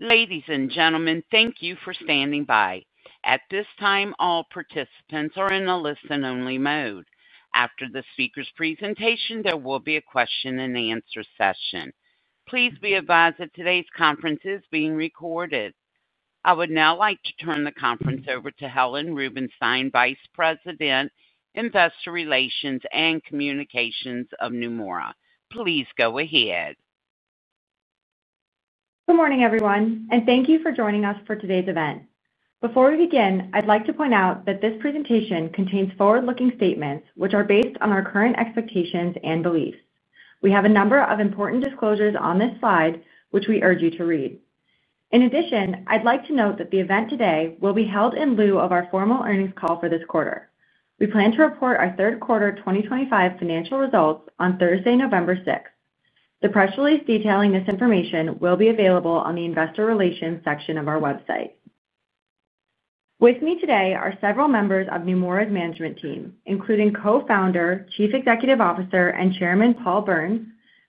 Ladies and gentlemen, thank you for standing by at this time. All participants are in a listen only mode. After the speaker's presentation, there will be a question and answer session. Please be advised that today's conference is being recorded. I would now like to turn the conference over to Helen Rubinstein, Vice President, Investor Relations and Communications of Neumora. Please go ahead. Good morning everyone and thank you for joining us for today's event. Before we begin, I'd like to point out that this presentation contains forward-looking statements which are based on our current expectations and beliefs. We have a number of important disclosures on this slide which we urge you to read. In addition, I'd like to note that the event today will be held in lieu of our formal earnings call for this quarter. We plan to report our third quarter 2025 financial results on Thursday, November 6. The press release detailing this information will be available on the Investor Relations section of our website. With me today are several members of Neumora management team including Co-Founder, Chief Executive Officer and Chairman Paul Berns,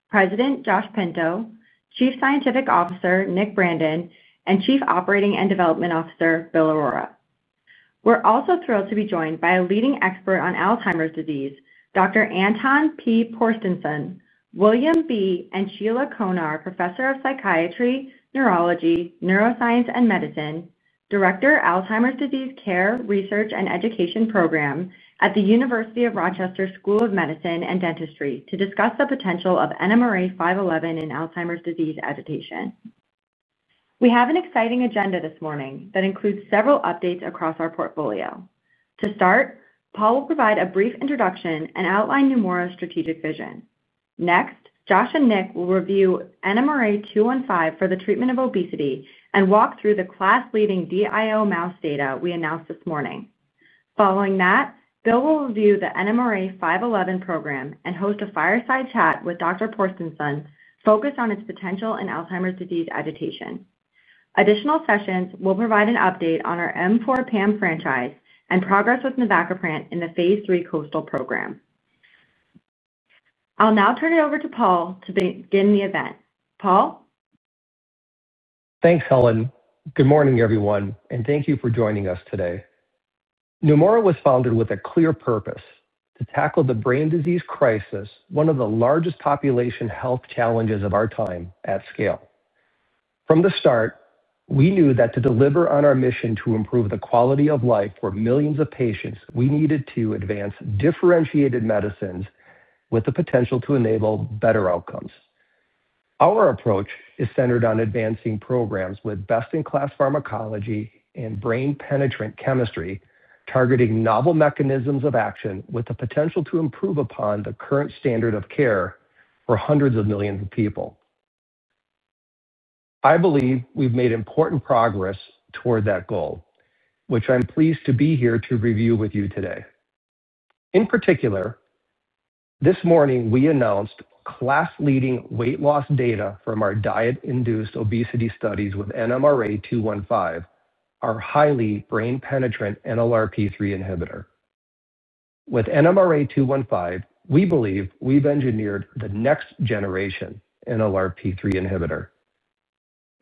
President Josh Pinto, Chief Scientific Officer Nick Brandon, and Chief Operating and Development Officer Bill Aurora. We're also thrilled to be joined by a leading expert on Alzheimer's disease, Dr. Anton P. Porsteinsson, William B. and Sheila Konar Professor of Psychiatry, Neurology, Neuroscience and Medicine, Director, Alzheimer's Disease Care, Research and Education Program at the University of Rochester School of Medicine and Dentistry, to discuss the potential of NMRA-511 in Alzheimer's disease agitation. We have an exciting agenda this morning that includes several updates across our portfolio. To start, Paul will provide a brief introduction and outline Neumora strategic vision. Next, Josh and Nick will review NMRA-215 for the treatment of obesity and walk through the class-leading DIO mouse data we announced this morning. Following that, Bill will review the NMRA-511 program and host a fireside chat with Dr. Porsteinsson focused on its potential in Alzheimer's disease agitation. Additional sessions will provide an update on our M4 PAM franchise and progress with Navacaprant in the phase III KOASTAL program. I'll now turn it over to Paul to begin the event. Paul. Thanks, Helen. Good morning, everyone, and thank you for joining us today. Neumora was founded with a clear purpose to tackle the brain disease crisis, one of the largest population health challenges of our time. From the start, we knew that to deliver on our mission to improve the quality of life for millions of patients, we needed to advance differentiated medicines with the potential to enable better outcomes. Our approach is centered on advancing programs with best-in-class pharmacology and brain-penetrant chemistry targeting novel mechanisms of action with the potential to improve upon the current standard of care for hundreds of millions of people. I believe we've made important progress toward that goal, which I'm pleased to be here to review with you today. In particular, this morning we announced class-leading weight loss data from our diet-induced obesity studies with NMRA-215, our highly brain-penetrant NLRP3 inhibitor. With NMRA-215, we believe we've engineered the next generation NLRP3 inhibitor.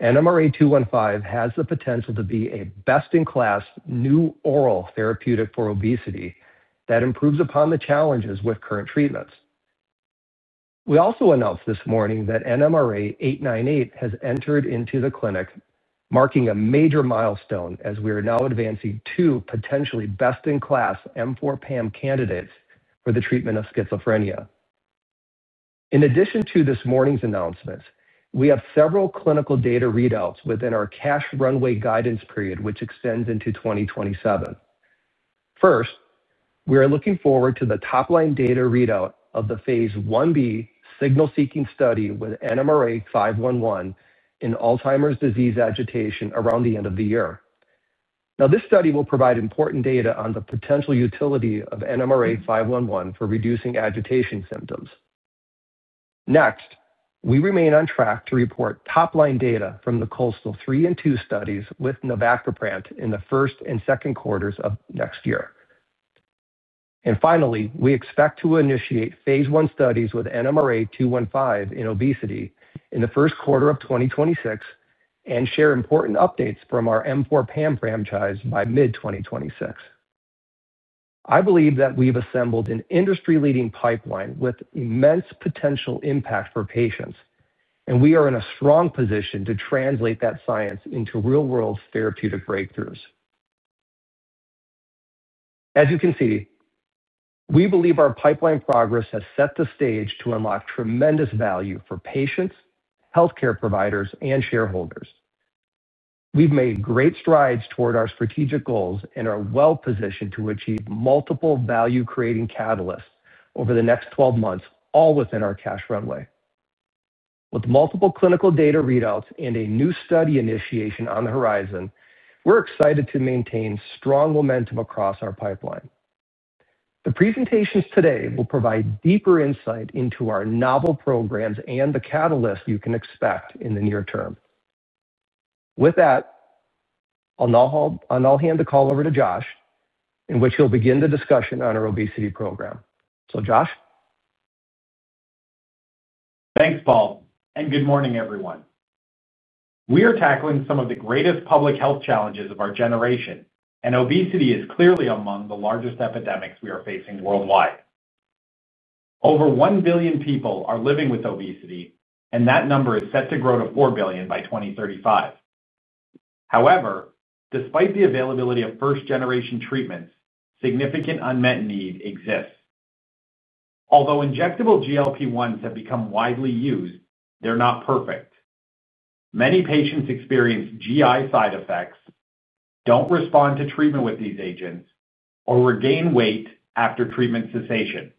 NMRA-215 has the potential to be a best-in-class new oral therapeutic for obesity that improves upon the challenges with current treatments. We also announced this morning that NMRA-898 has entered into the clinic, marking a major milestone as we are now advancing two potentially best-in-class M4 PAM candidates for the treatment of schizophrenia. In addition to this morning's announcements, we have several clinical data readouts within our cash runway guidance period, which extends into 2027. First, we are looking forward to the top-line data readout of phase I-B signal-seeking study with NMRA-511 in Alzheimer's disease agitation around the end of the year. This study will provide important data on the potential utility of NMRA-511 for reducing agitation symptoms. Next, we remain on track to report top-line data from the KOASTAL-3 and -2 studies with Navacaprant in the first and second quarters of next year. Finally, we expect to initiate phase I studies with NMRA-215 in obesity in the first quarter of 2026 and share important updates from our M4 PAM franchise by mid-2026. I believe that we've assembled an industry-leading pipeline with immense potential impact for patients, and we are in a strong position to translate that science into real-world therapeutic breakthroughs. As you can see, we believe our pipeline progress has set the stage to unlock tremendous value for patients, healthcare providers, and shareholders. We've made great strides toward our strategic goals and are well positioned to achieve multiple value-creating catalysts over the next 12 months, all within our cash runway. With multiple clinical data readouts and a new study initiation on the horizon, we're excited to maintain strong momentum across our pipeline. The presentations today will provide deeper insight into our novel programs and the catalysts you can expect in the near term. With that, I'll now hand the call over to Josh, in which he'll begin the discussion on our obesity program. So Josh. Thanks Paul and good morning everyone. We are tackling some of the greatest public health challenges of our generation and obesity is clearly among the largest epidemics we are facing. Worldwide, over 1 billion people are living with obesity and that number is set to grow to 4 billion by 2035. However, despite the availability of first generation treatments, significant unmet need exists. Although injectable GLP-1 have become widely used, they're not perfect. Many patients experience GI side effects, don't respond to treatment with these agents or regain weight after treatment cessation.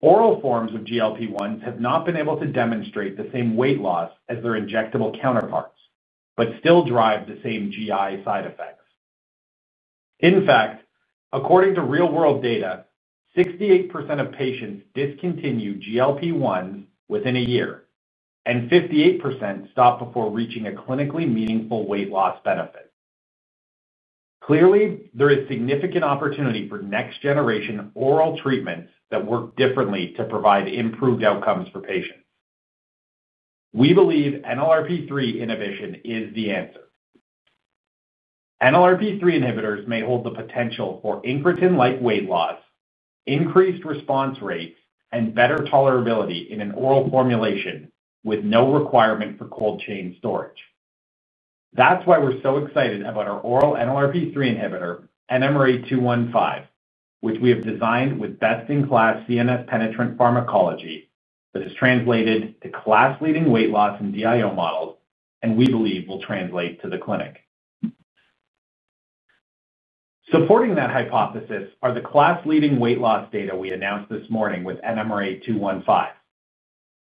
Oral forms of GLP-1 have not been able to demonstrate the same weight loss as their injectable counterparts, but still drive the same GI side effects. In fact, according to real world data, 68% of patients discontinue GLP-1 within a year and 58% stop before reaching a clinically meaningful weight loss benefit. Clearly, there is significant opportunity for next generation oral treatments that work differently to provide improved outcomes for patients. We believe NLRP3 inhibition is the answer. NLRP3 inhibitors may hold the potential for incretin-like weight loss, increased response rates and better tolerability in an oral formulation with no requirement for cold chain storage. That's why we're so excited about our oral NLRP3 inhibitor NMRA-215 which we have designed with best-in-class CNS penetrant pharmacology that has translated to class-leading weight loss in DIO models and we believe will translate to the clinic. Supporting that hypothesis are the class-leading weight loss data we announced this morning with NMRA-215.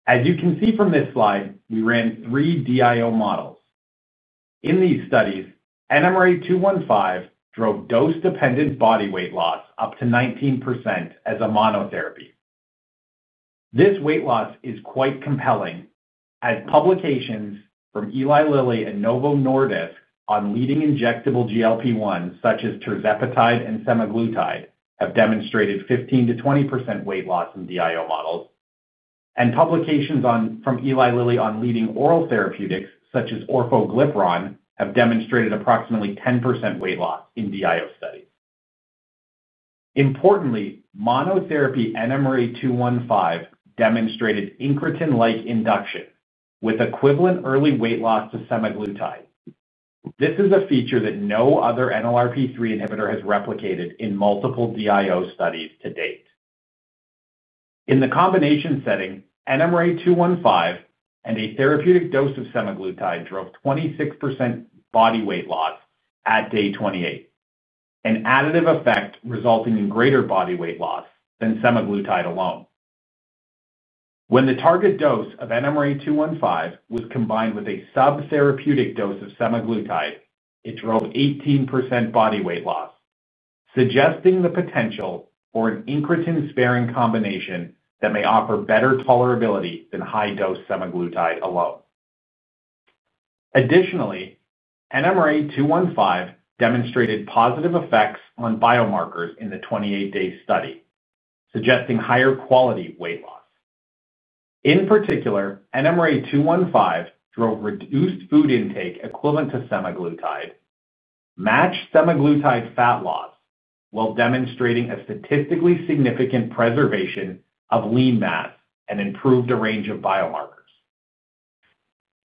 As you can see from this slide, we ran three DIO models. In these studies, NMRA-215 drove dose-dependent body weight loss up to 19% as a monotherapy. This weight loss is quite compelling as publications from Eli Lilly and Novo Nordisk on leading injectable GLP-1 such as Tirzepatide and Semaglutide have demonstrated 15% - 20% weight loss in DIO models and publications from Eli Lilly on leading oral therapeutics such as Orforglipron have demonstrated approximately 10% weight loss in DIO studies. Importantly, monotherapy NMRA-215 demonstrated incretin-like induction with equivalent early weight loss to Semaglutide. This is a feature that no other NLRP3 inhibitor has replicated in multiple DIO studies to date. In the combination setting, NMRA-215 and a therapeutic dose of Semaglutide drove 26% body weight loss at day 28, an additive effect resulting in greater body weight loss than Semaglutide alone. When the target dose of NMRA-215 was combined with a subtherapeutic dose of Semaglutide, it drove 18% body weight loss, suggesting the potential for an incretin-sparing combination that may offer better tolerability than high-dose Semaglutide alone. Additionally, NMRA-215 demonstrated positive effects on biomarkers in the 28-day study, suggesting higher quality weight loss. In particular, NMRA-215 drove reduced food intake equivalent to Semaglutide, matched Semaglutide fat loss while demonstrating a statistically significant preservation of lean mass, and improved a range of biomarkers.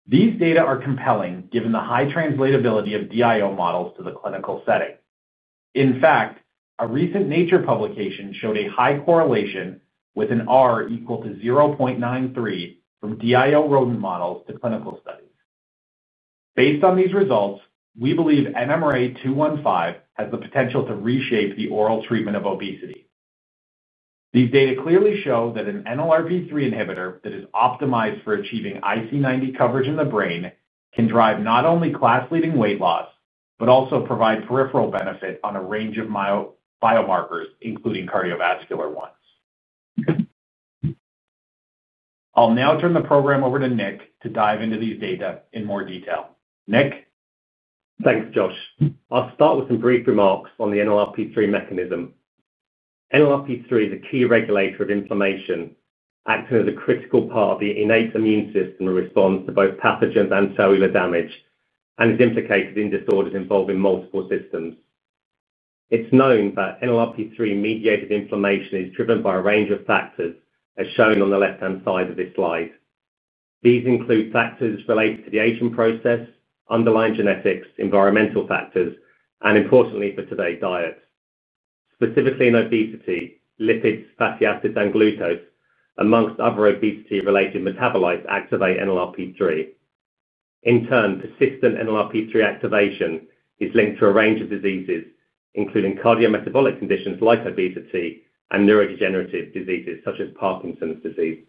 These data are compelling given the high translatability of DIO mouse models to the clinical setting. In fact, a recent Nature publication showed a high correlation with an r equal to 0.93 from DIO rodent models to clinical studies. Based on these results, we believe NMRA-215 has the potential to reshape the oral treatment of obesity. These data clearly show that an NLRP3 inhibitor that is optimized for achieving IC90 coverage in the brain can drive not only class-leading weight loss but also provide peripheral benefit on a range of biomarkers, including cardiovascular ones. I'll now turn the program over to Nick to dive into these data in more detail. Nick, thanks Josh. I'll start with some brief remarks on the NLRP3 mechanism. NLRP3 is a key regulator of inflammation, acting as a critical part of the innate immune system in response to both pathogens and cellular damage, and is implicated in disorders involving multiple systems. It's known that NLRP3-mediated inflammation is driven by a range of factors, as shown on the left-hand side of this slide. These include factors related to the aging process, underlying genetics, environmental factors, and importantly for today, diet. Specifically, in obesity, lipids, fatty acids, and glucose, amongst other obesity-related metabolites, activate NLRP3. In turn, persistent NLRP3 activation is linked to a range of diseases, including cardiometabolic conditions like obesity and neurodegenerative diseases such as Parkinson's disease.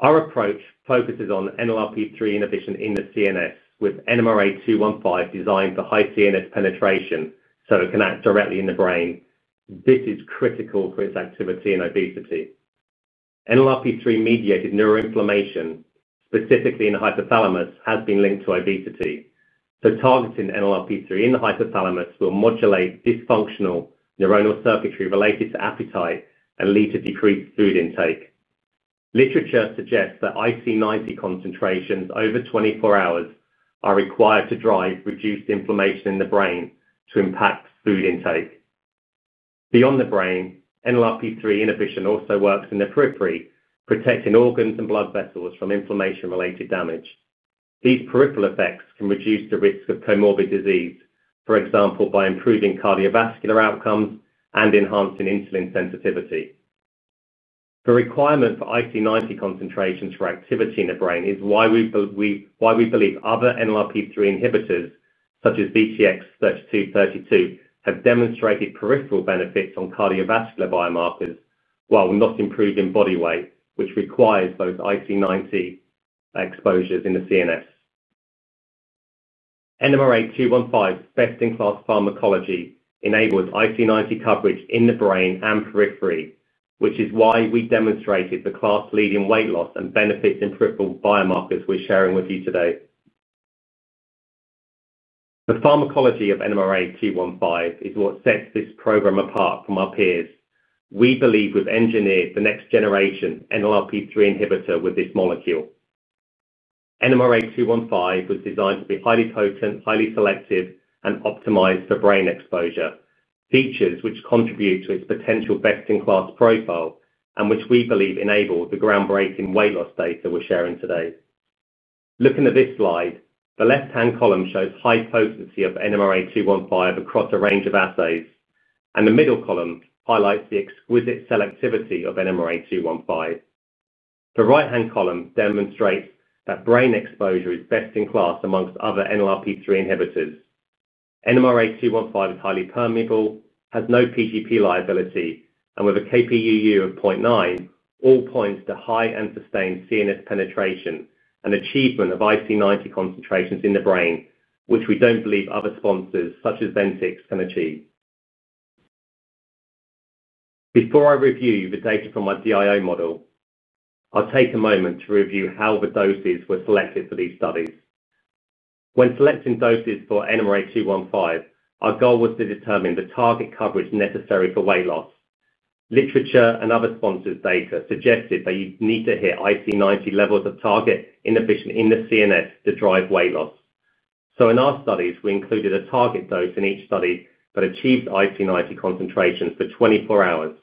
Our approach focuses on NLRP3 inhibition in the CNS, with NMRA-215 designed for high CNS penetration so it can act directly in the brain. This is critical for its activity in obesity. NLRP3-mediated neuroinflammation, specifically in the hypothalamus, has been linked to obesity, so targeting NLRP3 in the hypothalamus will modulate dysfunctional neuronal circuitry related to appetite and lead to decreased food intake. Literature suggests that IC90 concentrations over 24 hours are required to drive reduced inflammation in the brain to impact food intake. Beyond the brain, NLRP3 inhibition also works in the periphery, protecting organs and blood vessels from inflammation-related damage. These peripheral effects can reduce the risk of comorbid disease, for example by improving cardiovascular outcomes and enhancing insulin sensitivity. The requirement for IC90 concentrations for activity in the brain is why we believe other NLRP3 inhibitors, such as VTX3232, have demonstrated peripheral benefits on cardiovascular biomarkers while not improving body weight, which requires those IC90 exposures in the CNS. NMRA-215 best-in-class pharmacology enables IC90 coverage in the brain and periphery, which is why we demonstrated the class-leading weight loss and benefits in peripheral biomarkers we're sharing with you today. The pharmacology of NMRA-215 is what sets this program apart from our peers. We believe we've engineered the next-generation NLRP3 inhibitor with this molecule. NMRA-215 was designed to be highly potent, highly selective, and optimized for brain exposure features which contribute to its potential best-in-class profile and which we believe enable the groundbreaking weight loss data we're sharing today. Looking at this slide, the left-hand column shows high potency of NMRA-215 across a range of assays, and the middle column highlights the exquisite selectivity of NMRA-215. The right-hand column demonstrates that brain exposure is best in class amongst other NLRP3 inhibitors. NMRA-215 is highly permeable, has no Pgp liability, and with a Kpuu of 0.9, all points to high and sustained CNS penetration and achievement of IC90 concentrations in the brain, which we don't believe other sponsors such as Ventyx can achieve. Before I review the data from my DIO model, I'll take a moment to review how the doses were selected for these studies. When selecting doses for NMRA-215, our goal was to determine the target coverage necessary for weight loss. Literature and other sponsors' data suggested that you need to hit IC90 levels of target inhibition in the CNS to drive weight loss. In our studies, we included a target dose in each study that achieved IC90 concentrations for 24 hours.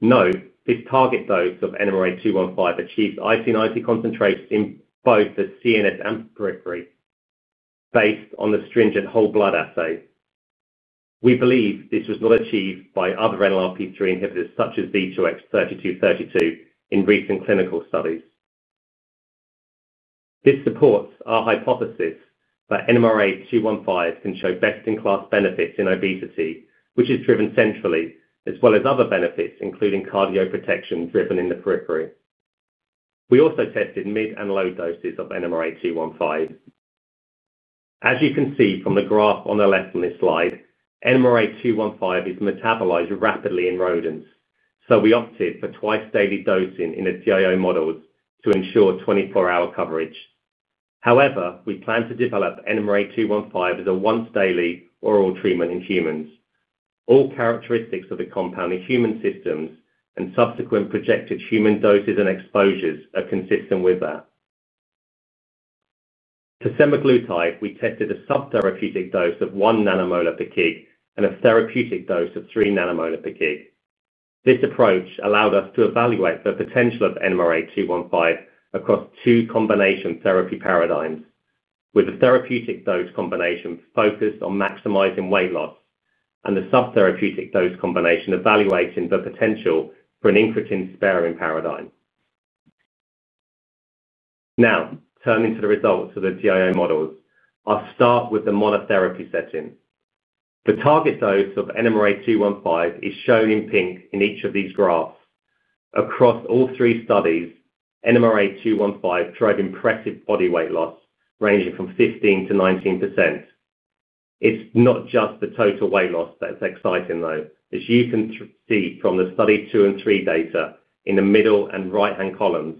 Note this target dose of NMRA-215 achieved IC90 concentrations in both the CNS and periphery. Based on the stringent whole blood assay, we believe this was not achieved by other NLRP3 inhibitors such as VTX3232 in recent clinical studies. This supports our hypothesis that NMRA-215 can show best-in-class benefits in obesity, which is driven centrally, as well as other benefits including cardioprotection driven in the periphery. We also tested mid and low doses of NMRA-215. As you can see from the graph on the left on this slide, NMRA-215 is metabolized rapidly in rodents, so we opted for twice daily dosing in the DIO models to ensure 24-hour coverage. However, we plan to develop NMRA-215 as a once daily oral treatment in humans. All characteristics of the compound in human systems and subsequent projected human doses and exposures are consistent with that to Semaglutide. We tested a sub-therapeutic dose of 1 nm/kg and a therapeutic dose of 3 nm/kg. This approach allowed us to evaluate the potential of NMRA-215 across two combination therapy paradigms, with the therapeutic dose combination focused on maximizing weight loss and the sub-therapeutic dose combination evaluating the potential for an incretin sparing paradigm. Now turning to the results of the DIO mouse models, I'll start with the monotherapy setting. The target dose of NMRA-215 is shown in pink in each of these graphs. Across all three studies, NMRA-215 drove impressive body weight loss ranging from 15% - 19%. It's not just the total weight loss that's exciting though. As you can see from the Study two and three data in the middle and right-hand columns,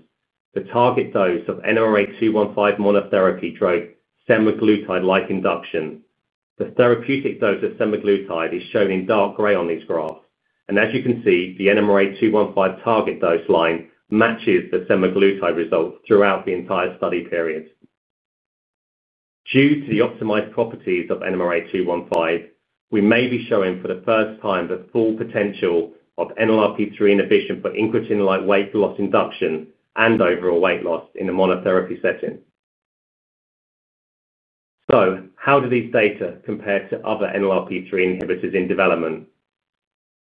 the target dose of NMRA-215 monotherapy drug Semaglutide. Like induction, the therapeutic dose of Semaglutide is shown in dark gray on these graphs, and as you can see, the NMRA-215 target dose line matches the Semaglutide result throughout the entire study period. Due to the optimized properties of NMRA-215, we may be showing for the first time the full potential of NLRP3 inhibition for incretin-like weight loss induction and overall weight loss in a monotherapy setting. How do these data compare to other NLRP3 inhibitors in development?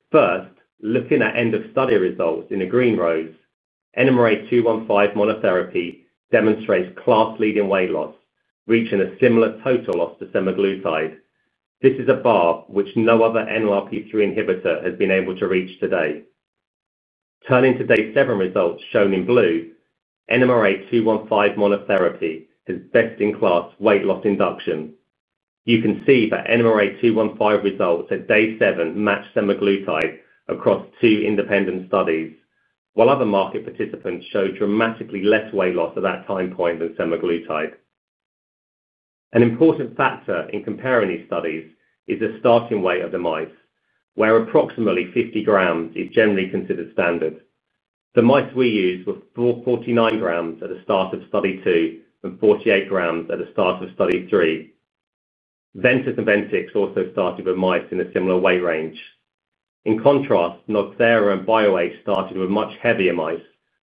First, looking at end of study results in the green rows, NMRA-215 monotherapy demonstrates class-leading weight loss, reaching a similar total loss to Semaglutide. This is a bar which no other NLRP3 inhibitor has been able to reach today. Turning to day 7 results shown in blue, NMRA-215 monotherapy is best-in-class weight loss induction. You can see that NMRA-215 results at day 7 matched Semaglutide across two independent studies, while other market participants showed dramatically less weight loss at that time point than Semaglutide. An important factor in comparing these studies is the starting weight of the mice, where approximately 50 grams is generally considered standard. The mice we used were 49 grams at the start of Study 2 and 48 grams at the start of Study 3. Ventus and Ventyx also started with mice in a similar weight range. In contrast, Nxera and Bioweight started with much heavier mice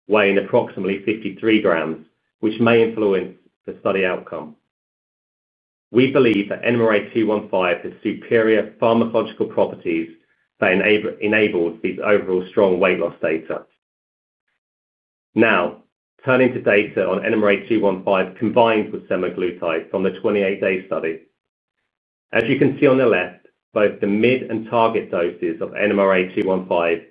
weighing approximately 53 grams, which may influence the study outcome. We believe that NMRA-215 has superior pharmacological properties that enable these overall strong weight loss data. Now turning to data on NMRA-215 combined with Semaglutide from the 28-day study. As you can see on the left, both the mid and target doses of NMRA-215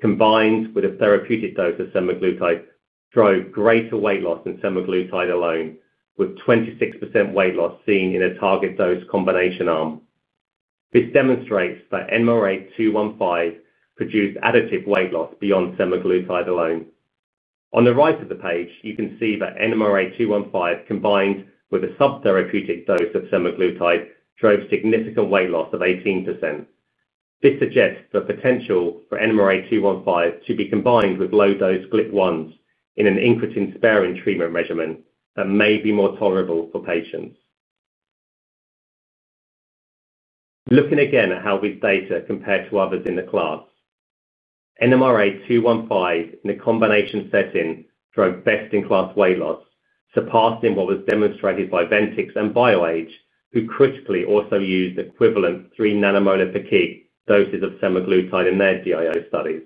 combined with a therapeutic dose of Semaglutide drove greater weight loss than Semaglutide alone, with 26% weight loss seen in a target dose combination arm. This demonstrates that NMRA-215 produced additive weight loss beyond Semaglutide alone. On the right of the page you can see that NMRA-215 combined with a subtherapeutic dose of Semaglutide drove significant weight loss of 18%. This suggests the potential for NMRA-215 to be combined with low dose GLP-1 in an incretin sparing treatment regimen that may be more tolerable for patients. Looking again at how this data compare to others in the class, NMRA-215 in a combination setting drove best in class weight loss, surpassing what was demonstrated by Ventyx and BioAge, who critically also used equivalent 3 nM/kg doses of Semaglutide in their DIO studies.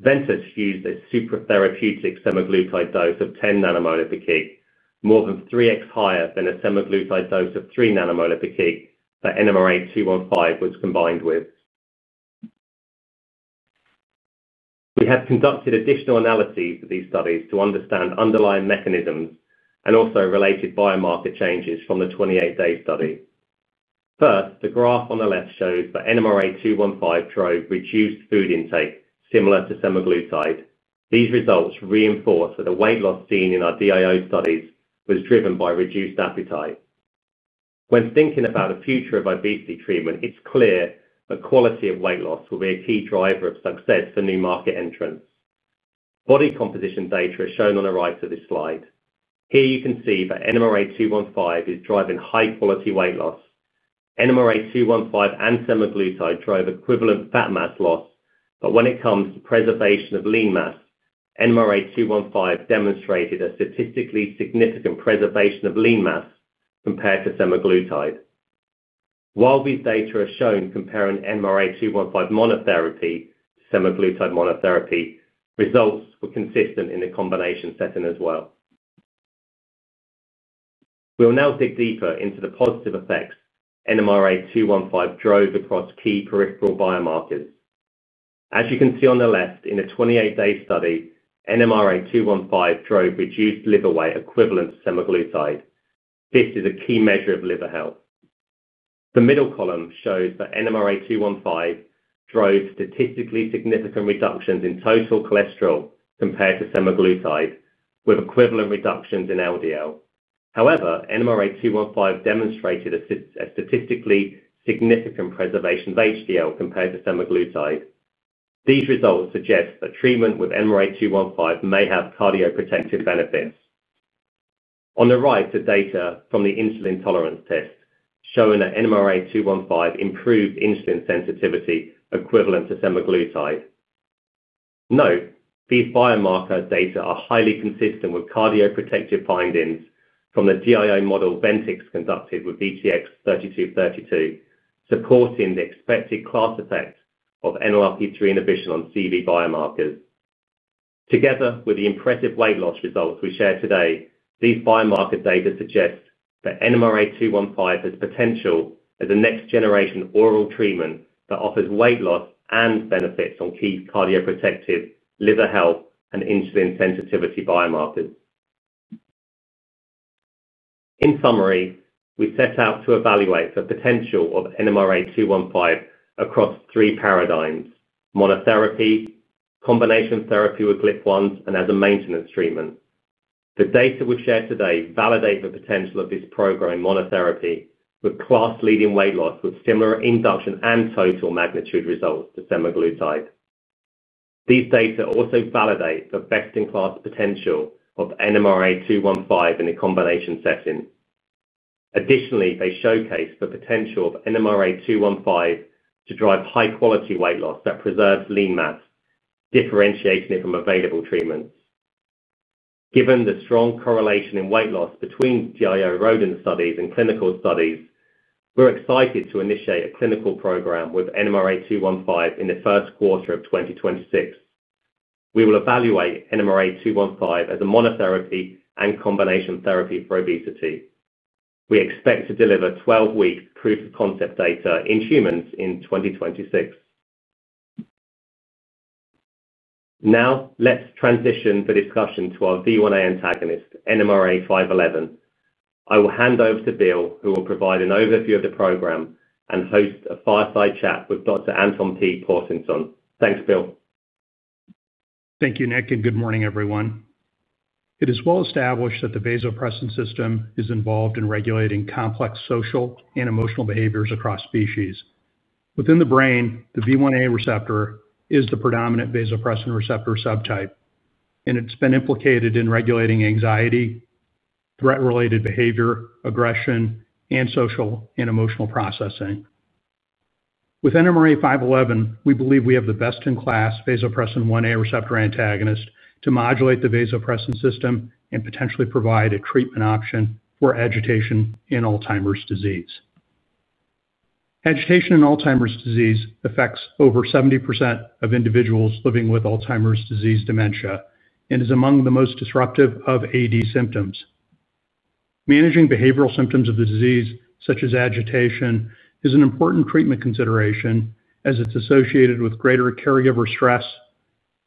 Ventus used a supratherapeutic Semaglutide dose of 10 Nm/kg, more than 3x higher than a Semaglutide dose of 3 nM/kg that NMRA-215 was combined with. We. Have conducted additional analyses for these studies to understand underlying mechanisms and also related biomarker changes from the 28 day study. First, the graph on the left shows that NMRA-215 drove reduced food intake similar to Semaglutide. These results reinforce that the weight loss seen in our DIO studies was driven by reduced appetite. When thinking about the future of obesity treatment, it's clear that quality of weight loss will be a key driver of success for new market entrants. Body composition data is shown on the right of this slide. Here you can see that NMRA-215 is driving high quality weight loss, NMRA-215 and Semaglutide drove equivalent fat mass loss. When it comes to preservation of lean mass, NMRA-215 demonstrated a statistically significant preservation of lean mass compared to Semaglutide. While these data are shown comparing NMRA-215 monotherapy to Semaglutide, monotherapy results were consistent in the combination setting as well. We will now dig deeper into the positive effects NMRA-215 drove across key peripheral biomarkers. As you can see on the left, in a 28 day study, NMRA-215 drove reduced liver weight equivalent to Semaglutide. This is a key measure of liver health. The middle column shows that NMRA-215 drove statistically significant reductions in total cholesterol compared to Semaglutide with equivalent reductions in LDL. However, NMRA-215 demonstrated a statistically significant preservation of HDL compared to Semaglutide. These results suggest that treatment with NMRA-215 may have cardioprotective benefits. On the right are data from the insulin tolerance test showing that NMRA-215 improved insulin sensitivity equivalent to Semaglutide. These biomarker data are highly consistent with cardioprotective findings from the DIO model studies conducted with VTX3232 supporting the expected class effect of NLRP3 inhibition on CV biomarkers. Together with the impressive weight loss results we share today, these biomarker data suggest that NMRA-215 has potential as a next generation oral treatment that offers weight loss and benefits on key cardioprotective, liver health, and insulin sensitivity biomarkers. In summary, we set out to evaluate the potential of NMRA-215 across three paradigms: monotherapy, combination therapy with GLP-1, and as a maintenance treatment. The data we've shared today validate the potential of this program in monotherapy with class-leading weight loss with similar induction and total magnitude results to Semaglutide. These data also validate the best-in-class potential of NMRA-215 in a combination setting. Additionally, they showcase the potential of NMRA-215 to drive high-quality weight loss that preserves lean mass, differentiating it from available treatments. Given the strong correlation in weight loss between DIO rodent studies and clinical studies, we're excited to initiate a clinical program with NMRA-215 in the first quarter of 2026. We will evaluate NMRA-215 as a monotherapy and combination therapy for obesity. We expect to deliver 12-week proof-of-concept data in humans in 2026. Now let's transition the discussion to our V1AR antagonist, NMRA-511. I will hand over to Bill Aurora, who will provide an overview of the program and host a fireside chat with Dr. Anton P. Porsteinsson. Thanks Bill, thank you, Nick and good morning everyone. It is well established that the vasopressin system is involved in regulating complex social and emotional behaviors across species within the brain. The V1A receptor is the predominant vasopressin receptor subtype, and it's been implicated in regulating anxiety, threat-related behavior, aggression, and social and emotional processing. With NMRA-511, we believe we have the best-in-class vasopressin 1A receptor antagonist to modulate the vasopressin system and potentially provide a treatment option for agitation in Alzheimer's disease. Agitation in Alzheimer's disease affects over 70% of individuals living with Alzheimer's disease dementia and is among the most disruptive of AD symptoms. Managing behavioral symptoms of the disease, such as agitation, is an important treatment consideration as it's associated with greater caregiver stress,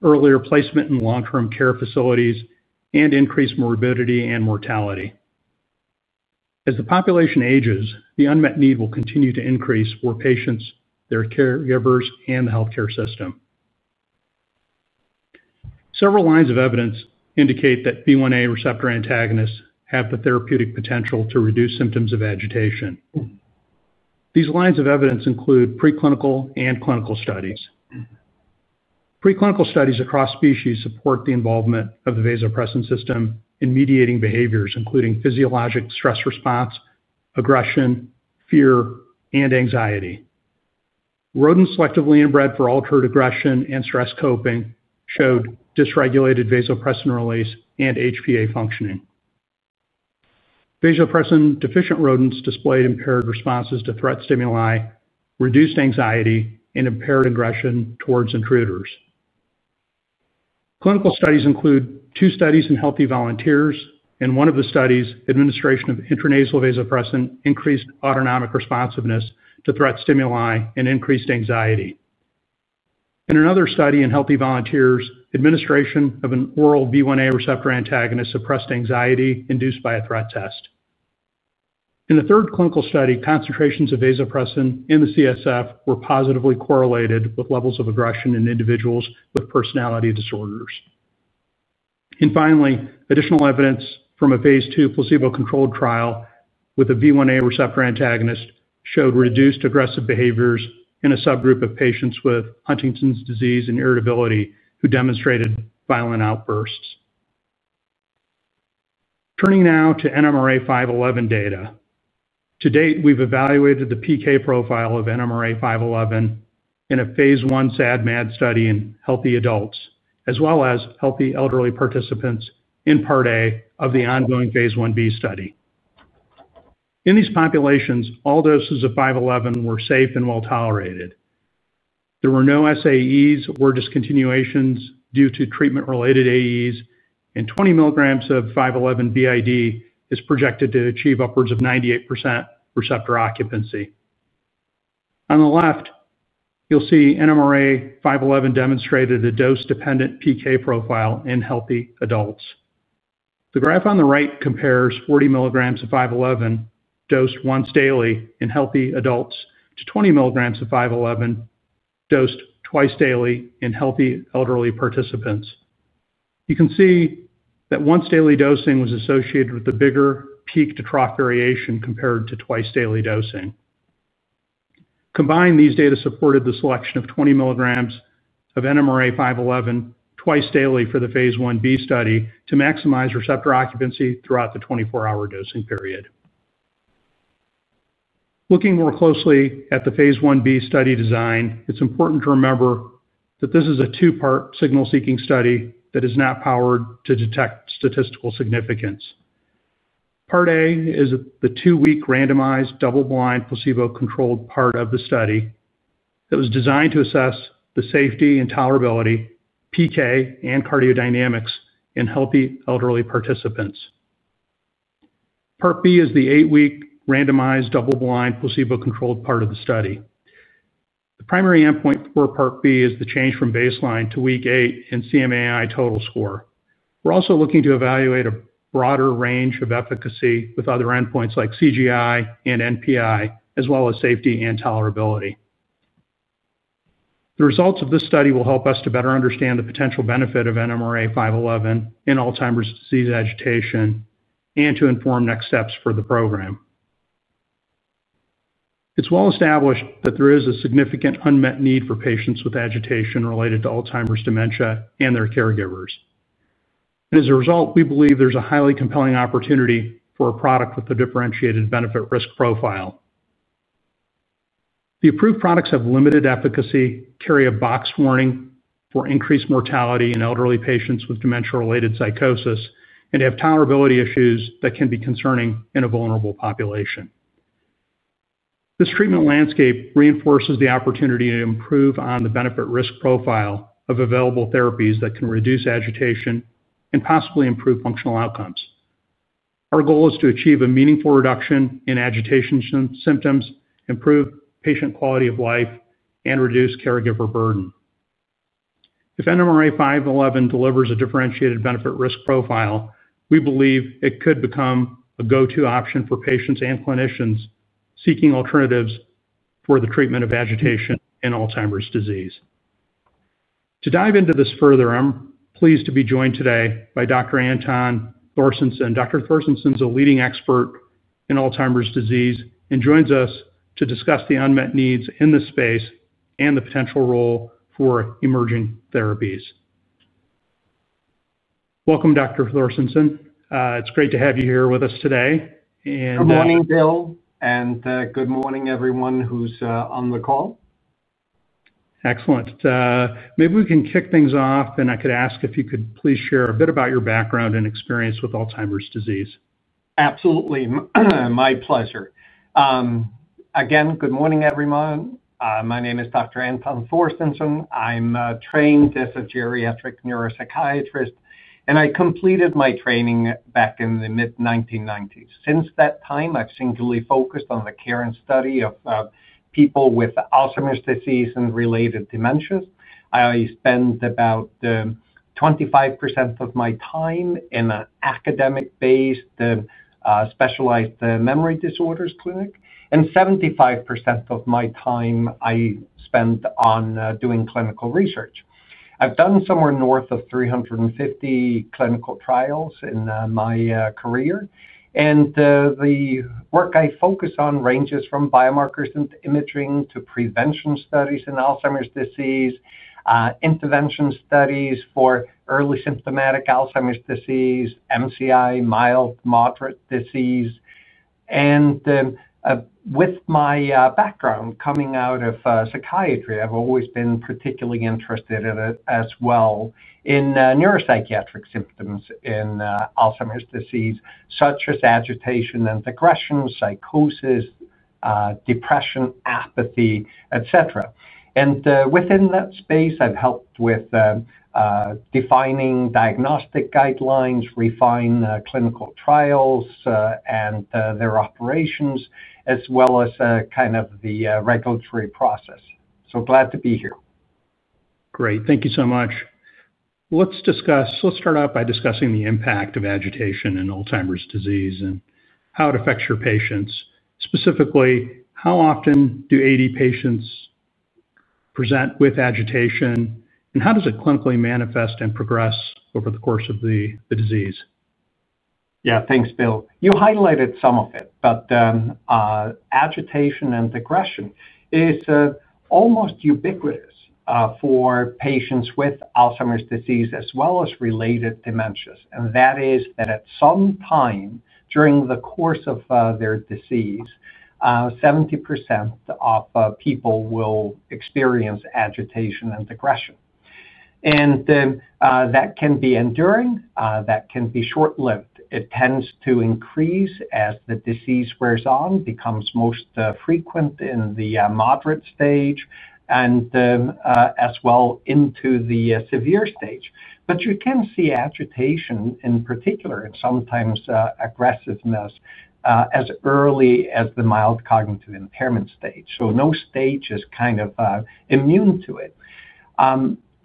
earlier placement in long-term care facilities, and increased morbidity and mortality. As the population ages, the unmet need will continue to increase for patients, their caregivers, and the healthcare system. Several lines of evidence indicate that V1A receptor antagonists have the therapeutic potential to reduce symptoms of agitation. These lines of evidence include preclinical and clinical studies. Preclinical studies across species support the involvement of the vasopressin system in mediating behaviors including physiologic stress response, aggression, fear, and anxiety. Rodents selectively inbred for altered aggression and stress coping showed dysregulated vasopressin release and HPA functioning. Vasopressin-deficient rodents displayed impaired responses to threat stimuli, reduced anxiety, and impaired aggression towards intruders. Clinical studies include two studies in healthy volunteers. In one of the studies, administration of intranasal vasopressin increased autonomic responsiveness to threat stimuli and increased anxiety. In another study in healthy volunteers, administration of an oral V1A receptor antagonist suppressed anxiety induced by a threat test. In the third clinical study, concentrations of vasopressin in the CSF were positively correlated with levels of aggression in individuals with personality disorders. Finally, additional evidence from a phase II placebo-controlled trial with a V1A receptor antagonist showed reduced aggressive behaviors in a subgroup of patients with Huntington's disease and irritability who demonstrated violent outbursts. Turning now to NMRA-511 data, to date we've evaluated the PK profile of NMRA-511 in a SAD/MAD study in healthy adults as well as healthy elderly participants in Part A of phase I-B study. in these populations, all doses of 511 were safe and well tolerated. There were no SAEs or discontinuations due to treatment-related AEs, and 20 mg of 511 BID is projected to achieve upwards of 98% receptor occupancy. On the left you'll see NMRA-511 demonstrated a dose-dependent PK profile in healthy adults. The graph on the right compares 40 mg of 511 dosed once daily in healthy adults to 20 mg of 511 dosed twice daily in healthy elderly participants. You can see that once daily dosing was associated with the bigger peak-to-trough variation compared to twice daily dosing. Combined, these data supported the selection of 20 mg of NMRA-511 twice daily for phase I-B study to maximize receptor occupancy throughout the 24-hour dosing period. Looking more closely phase I-B study design, it's important to remember that this is a two-part signal-seeking study that is not powered to detect statistical significance. Part A is the two-week randomized, double-blind, placebo-controlled part of the study that was designed to assess the safety and tolerability, PK, and cardiodynamics in healthy elderly participants. Part B is the eight-week randomized, double-blind, placebo-controlled part of the study. The primary endpoint for Part B is the change from baseline to Week 8 in CMAI total score. We're also looking to evaluate a broader range of efficacy with other endpoints like CGI and NPI as well as safety and tolerability. The results of this study will help us to better understand the potential benefit of NMRA-511 in Alzheimer's disease agitation and to inform next steps for the program. It's well established that there is a significant unmet need for patients with agitation related to Alzheimer's dementia and their caregivers. As a result, we believe there's a highly compelling opportunity for a product with a differentiated benefit-risk profile. The approved products have limited efficacy, carry a boxed warning for increased mortality in elderly patients with dementia-related psychosis, and have tolerability issues that can be concerning in a vulnerable population. This treatment landscape reinforces the opportunity to improve on the benefit risk profile of available therapies that can reduce agitation and possibly improve functional outcomes. Our goal is to achieve a meaningful reduction in agitation symptoms, improve patient quality of life, and reduce caregiver burden. If NMRA-511 delivers a differentiated benefit risk profile, we believe it could become a go-to option for patients and clinicians seeking alternatives for the treatment of agitation and Alzheimer's disease. To dive into this further, I'm pleased to be joined today by Dr. Anton Porsteinsson. Dr. Porsteinsson is a leading expert in Alzheimer's disease and joins us to discuss the unmet needs in this space and the potential role for emerging therapies. Welcome, Dr. Porsteinsson. It's great to have you here with us today. Good morning, Bill. Good morning everyone who's on the call. Excellent. Maybe we can kick things off, and I could ask if you could please share a bit about your background and experience with Alzheimer's disease. Absolutely. My pleasure. Again, good morning everyone. My name is Dr. Anton Porsteinsson. I'm trained as a geriatric neuropsychiatrist and I completed my training back in the mid-1990s. Since that time, I've singularly focused on the care and study of people with Alzheimer's disease and related dementias. I spent about 25% of my time in an academic-based specialized memory disorders clinic and 75% of my time I spent on doing clinical research. I've done somewhere north of 350 clinical trials in my career and the work I focus on ranges from biomarkers and imaging to prevention studies in Alzheimer's disease, intervention studies for early symptomatic Alzheimer's disease, MCI, mild moderate disease. With my background coming out of psychiatry, I've always been particularly interested as well in neuropsychiatric symptoms in Alzheimer's disease, such as agitation and aggression, psychosis, depression, apathy, et cetera. Within that space, I've helped with defining diagnostic guidelines, refine clinical trials and their operations, as well as the regulatory process. Glad to be here. Great. Thank you so much. Let's start out by discussing the impact of agitation in Alzheimer's disease and how it affects your patients. Specifically, how often do AD patients present with agitation, and how does it clinically manifest and progress over the course of the disease? Yeah, thanks, Bill. You highlighted some of it. Agitation and aggression is almost ubiquitous for patients with Alzheimer's disease as well as related dementias. At some time during the course of their disease, 70% of people will experience agitation and aggression. That can be enduring, that can be short lived. It tends to increase as the disease wears on, becomes most frequent in the moderate stage and as well into the severe stage. You can see agitation in particular, and sometimes aggressiveness as early as the mild cognitive impairment stage. No stage is kind of immune to it.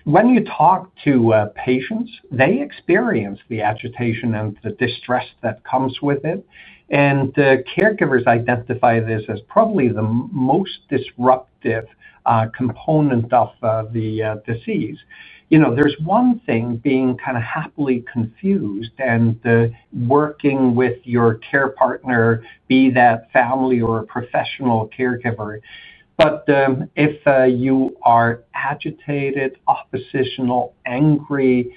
When you talk to patients, they experience the agitation and the distress that comes with it. Caregivers identify this as probably the most disruptive component of the disease. There's one thing being kind of happily confused and working with your care partner, be that family or a professional caregiver. If you are agitated, oppositional, angry,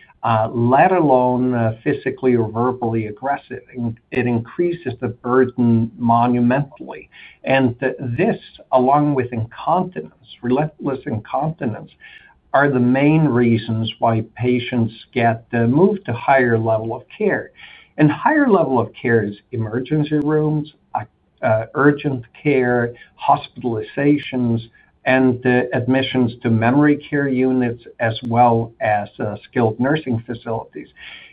let alone physically or verbally aggressive, it increases the burden monumentally. This, along with relentless incontinence, are the main reasons why patients get moved to higher level of care. Higher level of care is emergency rooms, urgent care, hospitalizations, and admissions to memory care units, as well as skilled nursing facilities.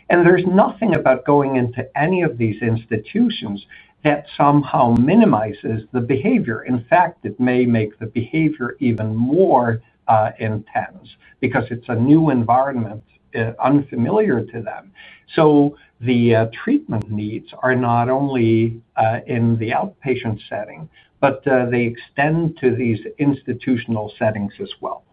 There's nothing about going into any of these institutions that somehow minimizes the behavior. In fact, it may make the behavior even more intense because it's a new environment, unfamiliar to them. The treatment needs are not only in the outpatient setting, but they extend to these institutional settings as well.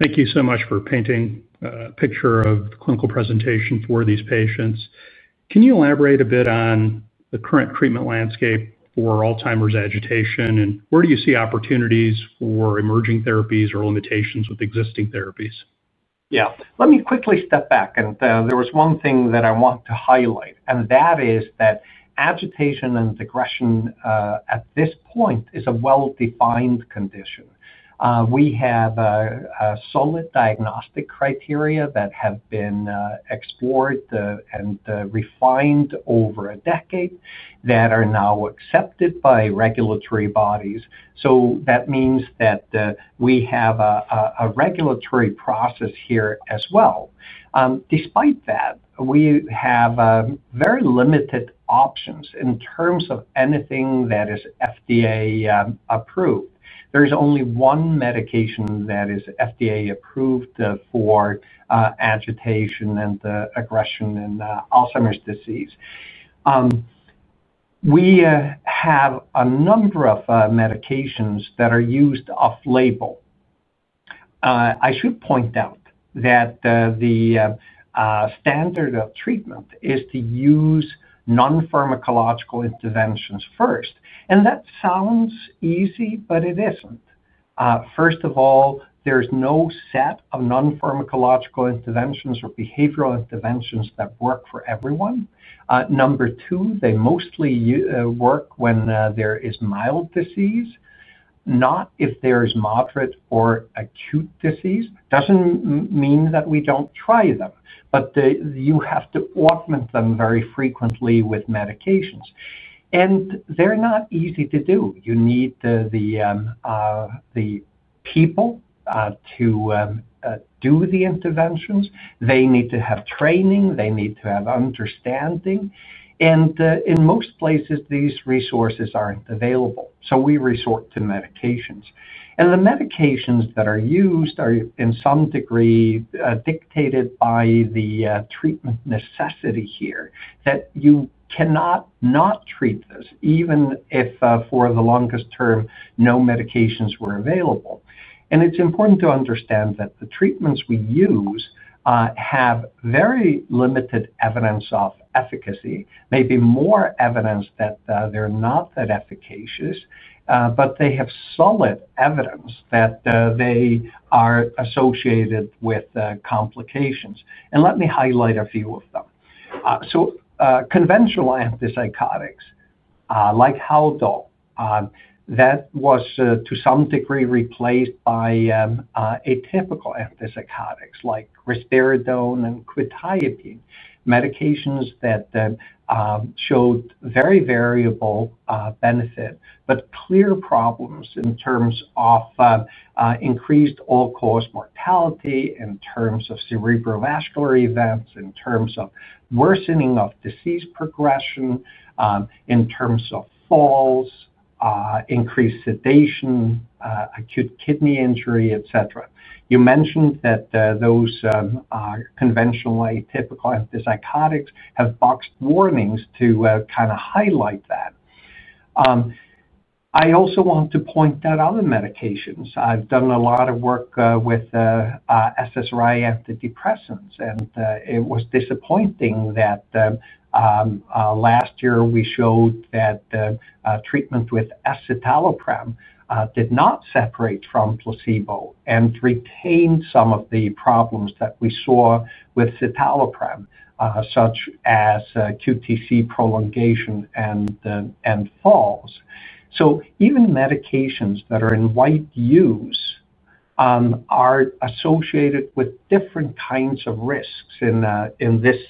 Thank you so much for painting a picture of clinical presentation for these patients. Can you elaborate a bit on the current treatment landscape for Alzheimer's agitation, and where do you see opportunities for emerging therapies or limitations with existing therapies? Let me quickly step back, and there was one thing that I want to highlight, and that is that agitation and aggression at this point is a well-defined condition. We have solid diagnostic criteria that have been explored and refined over a decade that are now accepted by regulatory bodies. That means that we have a regulatory process here as well. Despite that, we have very limited options in terms of anything that is FDA approved. There is only one medication that is FDA approved for agitation and aggression in Alzheimer's disease. We have a number of medications that are used off-label. I should point out that the standard of treatment is to use non-pharmacological interventions first. That sounds easy, but it isn't. First of all, there's no set of non-pharmacological interventions or behavioral interventions that work for everyone. Number two, they mostly work when there is mild disease, not if there is moderate or acute disease. That doesn't mean that we don't try them. You have to augment them very frequently with medications, and they're not easy to do. You need the people to do the interventions. They need to have training, they need to have understanding. In most places, these resources aren't available. We resort to medications, and the medications that are used are in some degree dictated by the treatment necessity here that you cannot not treat this even if for the longest term no medications were available. It's important to understand that the treatments we use have very limited evidence of efficacy, maybe more evidence that they're not that efficacious, but they have solid evidence that they are associated with complications. Let me highlight a few of them. Conventional antipsychotics like Haldol were to some degree replaced by atypical antipsychotics like Risperidone and Quetiapine, medications that showed very variable benefit but clear problems in terms of increased all-cause mortality, in terms of cerebrovascular events, in terms of worsening of disease progression, in terms of falls, increased sedation, acute kidney injury, et cetera. You mentioned that those conventional and atypical antipsychotics have boxed warnings to kind of highlight that. I also want to point out other medications. I've done a lot of work with SSRI antidepressants, and it was disappointing that last year we showed that treatment with escitalopram did not separate from placebo and retained some of the problems that we saw with citalopram, such as QTC prolongation and falls. Even medications that are in wide use are associated with different kinds of risks in this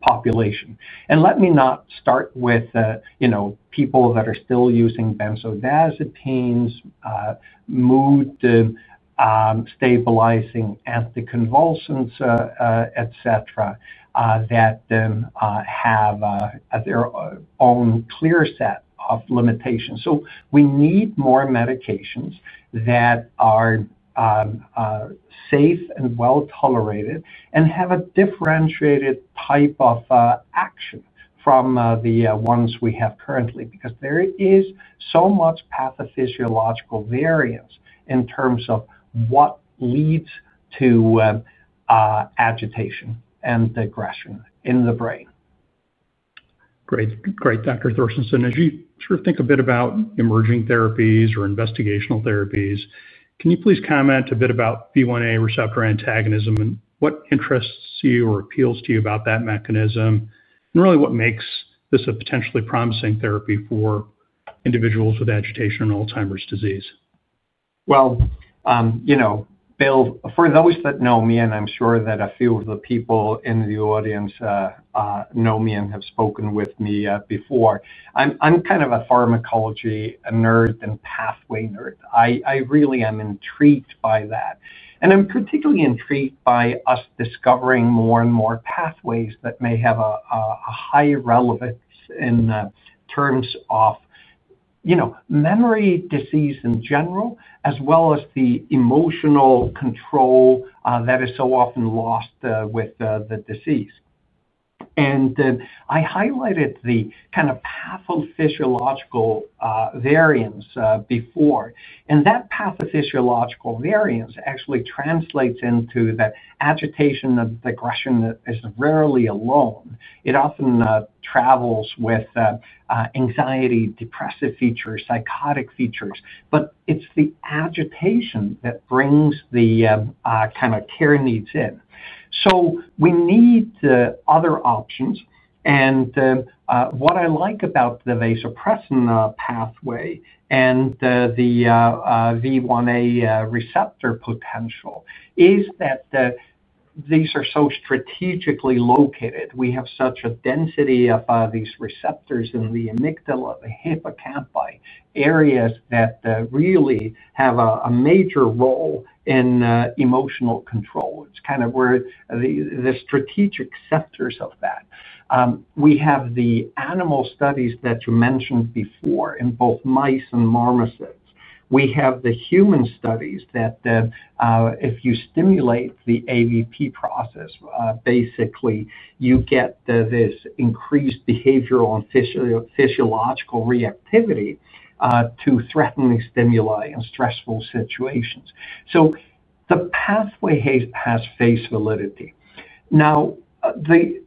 population. Let me not start with people that are still using benzodiazepines, mood stabilizing anticonvulsants, et cetera, that have their own clear set of limitations. We need more medications that are safe and well tolerated and have a differentiated type of action from the ones we have currently because there is so much pathophysiological variance in terms of what leads to agitation and aggression in the brain. Great. Dr. Porsteinsson, as you sort of think a bit about emerging therapies or investigational therapies, can you please comment a bit about V1A receptor antagonism and what interests you or appeals to you about that mechanism and really what makes this a potentially promising therapy for individuals with agitation and Alzheimer's disease? For those that know me, and I'm sure that a few of the people in the audience know me and have spoken with me before, I'm kind of a pharmacology nerd and pathway nerd. I really am intrigued by that and I'm particularly intrigued by us discovering more and more pathways that may have a high relevance in terms of memory disease in general, as well as the emotional control that is so often lost with the disease. I highlighted the kind of pathophysiological variance before and that pathophysiological variance actually translates into that agitation of digression that is rarely alone. It often travels with anxiety, depressive features, psychotic features. It's the agitation that brings the kind of care needs in. We need other options. What I like about the vasopressin pathway and the V1A receptor potential is that these are so strategically located. We have such a density of these receptors in the amygdala, the hippocampi, areas that really have a major role in emotional control. It's kind of where the strategic sectors of that. We have the animal studies that you mentioned before in both mice and marmosets, we have the human studies that if you stimulate the AVP process, basically you get this increased behavioral and physiological reactivity to threatening stimuli in stressful situations. The pathway has face validity. Now the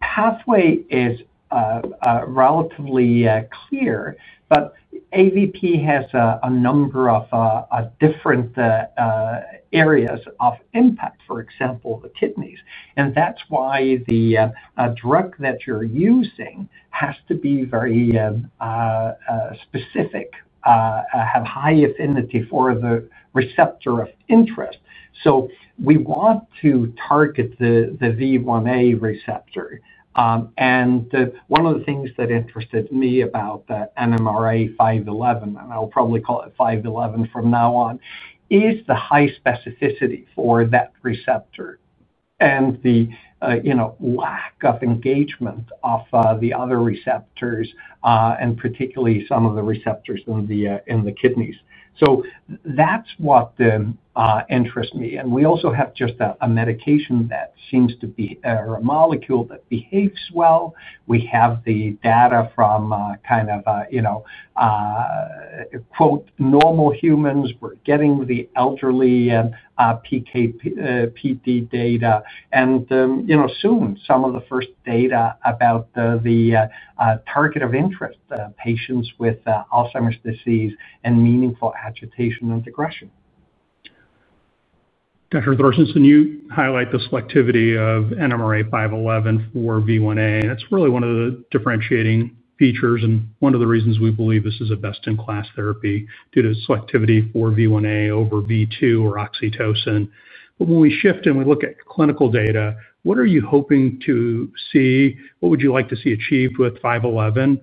pathway is relatively clear. AVP has a number of different areas of impact. For example, the kidneys, and that's why the drug that you're using has to be very specific, have high affinity for the receptor of interest. We want to target the V1A receptor. One of the things that interested me about the NMRA-511, and I'll probably call it 511 from now on, is the high specificity for that receptor and the lack of engagement of the other receptors and particularly some of the receptors in the kidneys. That's what interests me. We also have just a medication that seems to be or a molecule that behaves well. We have the data from kind of quote normal humans. We're getting the elderly PKPD data and soon some of the first data about the target of interest, patients with Alzheimer's disease and meaningful agitation and aggression. Dr. Porsteinsson, you highlight the selectivity of NMRA-511 for V1A and it's really one of the differentiating features and one of the reasons we believe this is a best in class therapy due to selectivity for V1A over V2 or Oxytocin. When we shift and we look at clinical data, what are you hoping to see? What would you like to see achieved with 511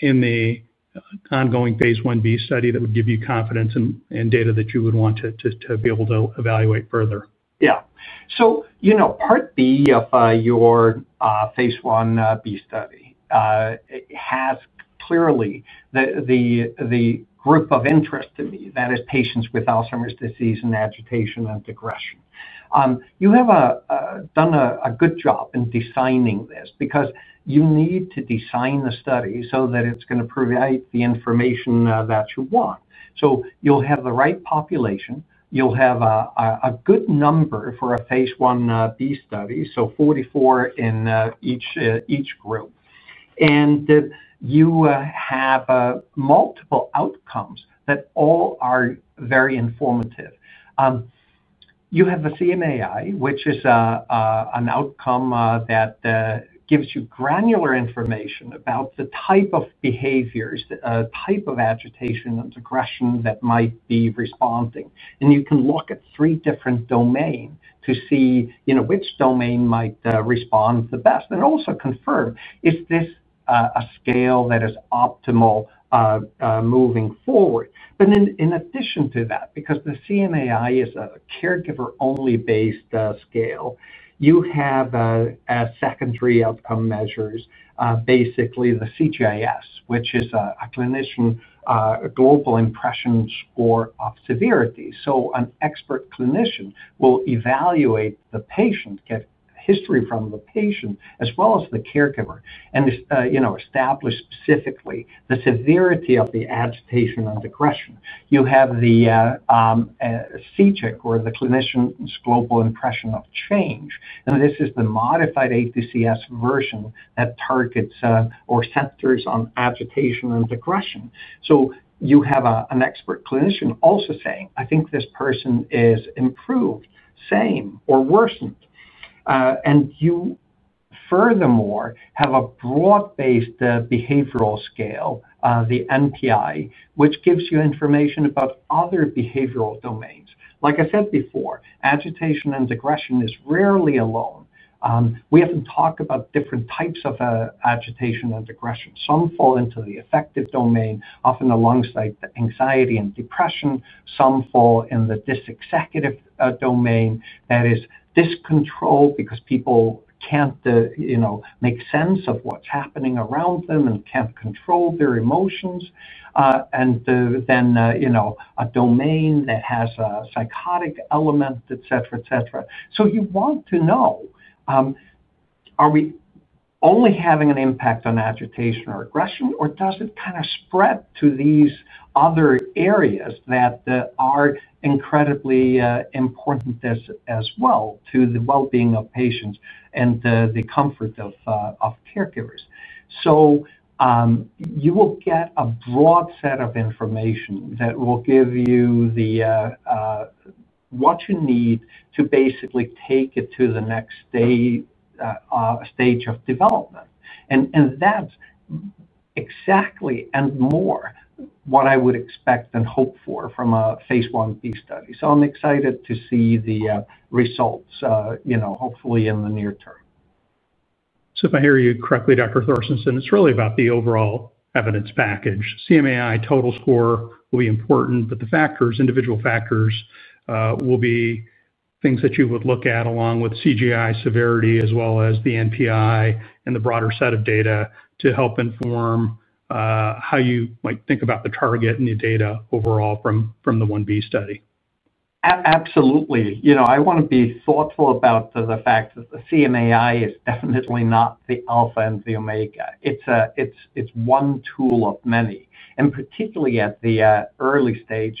in phase I-B study that would give you confidence and data that you would want to be able to evaluate further. Yeah. Part B phase I-B study is clearly the group of interest to me, that is, patients with Alzheimer's disease and agitation and aggression. You have done a good job in designing this because you need to design the study so that it's going to provide the information that you want. You'll have the right population, you'll have a good number for phase I-B study, so 44 in each group, and you have multiple outcomes that all are very informative. You have a CMAI, which is an outcome that gives you granular information about the type of behaviors, type of agitation and aggression that might be responding. You can look at three different domains to see which domain might respond the best and also confirm if this is a scale that is optimal moving forward. In addition to that, because the CMAI is a caregiver-only based scale, you have secondary outcome measures, basically the CGIS, which is a clinician global impression of severity. An expert clinician will evaluate the patient, get history from the patient as well as the caregiver, and establish specifically the severity of the agitation and aggression. You have the CGIC, or the clinician's global impression of change, and this is the modified ATCS version that targets or centers on agitation and aggression. You have an expert clinician also saying, I think this person is improved, same, or worsened. You furthermore have a broad-based behavioral scale, the NPI, which gives you information about other behavioral domains. Like I said before, agitation and aggression is rarely alone. We often talk about different types of agitation and aggression. Some fall into the affective domain, often alongside the anxiety and depression. Some fall in the dysexecutive domain, that is, discontrol because people can't make sense of what's happening around them and can't control their emotions. Then a domain that has a psychotic element, et cetera, et cetera. You want to know, are we only having an impact on agitation or aggression, or does it kind of spread to these other areas that are incredibly important as well to the well-being of patients and the comfort of caregivers. You will get a broad set of information that will give you what you need to basically take it to the next stage of development. That's exactly and more what I would expect and hope for from phase I-B study. I'm excited to see the results hopefully in the near term. If I hear you correctly, Dr. Porsteinsson, it's really about the overall evidence package. CMAI total score will be important, but the factors, individual factors, will be things that you would look at along with CGI severity as well as the NPI and the broader set of data to help inform how you might think about the target and the data overall the phase I-B study. Absolutely. I want to be thoughtful about the fact that the CMAI is definitely not the alpha and the omega. It's one tool of many, and particularly at the early stage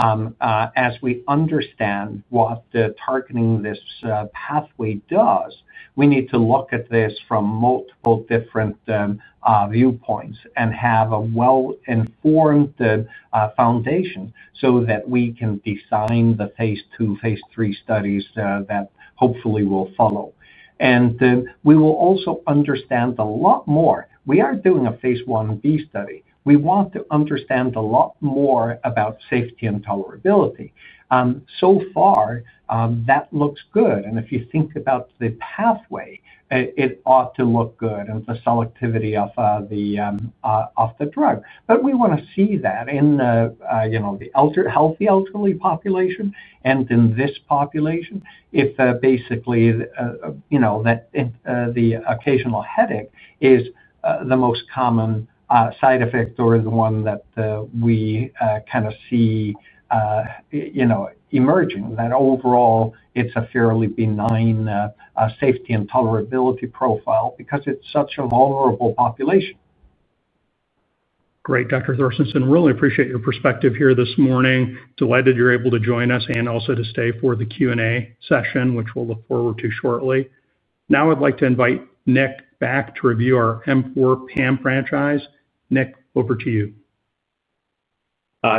as we understand what targeting this pathway does, we need to look at this from multiple different viewpoints and have a well-informed foundation so that we can design the phase II, phase III studies that hopefully will follow, and we will also understand a lot more. We are doing phase I-B study. We want to understand a lot more about safety and tolerability. So far, that looks good. If you think about the pathway, it ought to look good and the selectivity of the drug. We want to see that in the healthy elderly population, and in this population, if basically the occasional headache is the most common side effect or the one that we kind of see emerging, that overall it's a fairly benign safety and tolerability profile because it's such a vulnerable population. Great. Dr. Porsteinsson, really appreciate your perspective here this morning. Delighted you're able to join us and also to stay for the Q and A session which we'll look forward to shortly. Now I'd like to invite Nick back to review our M4 PAM franchise. Nick, over to you.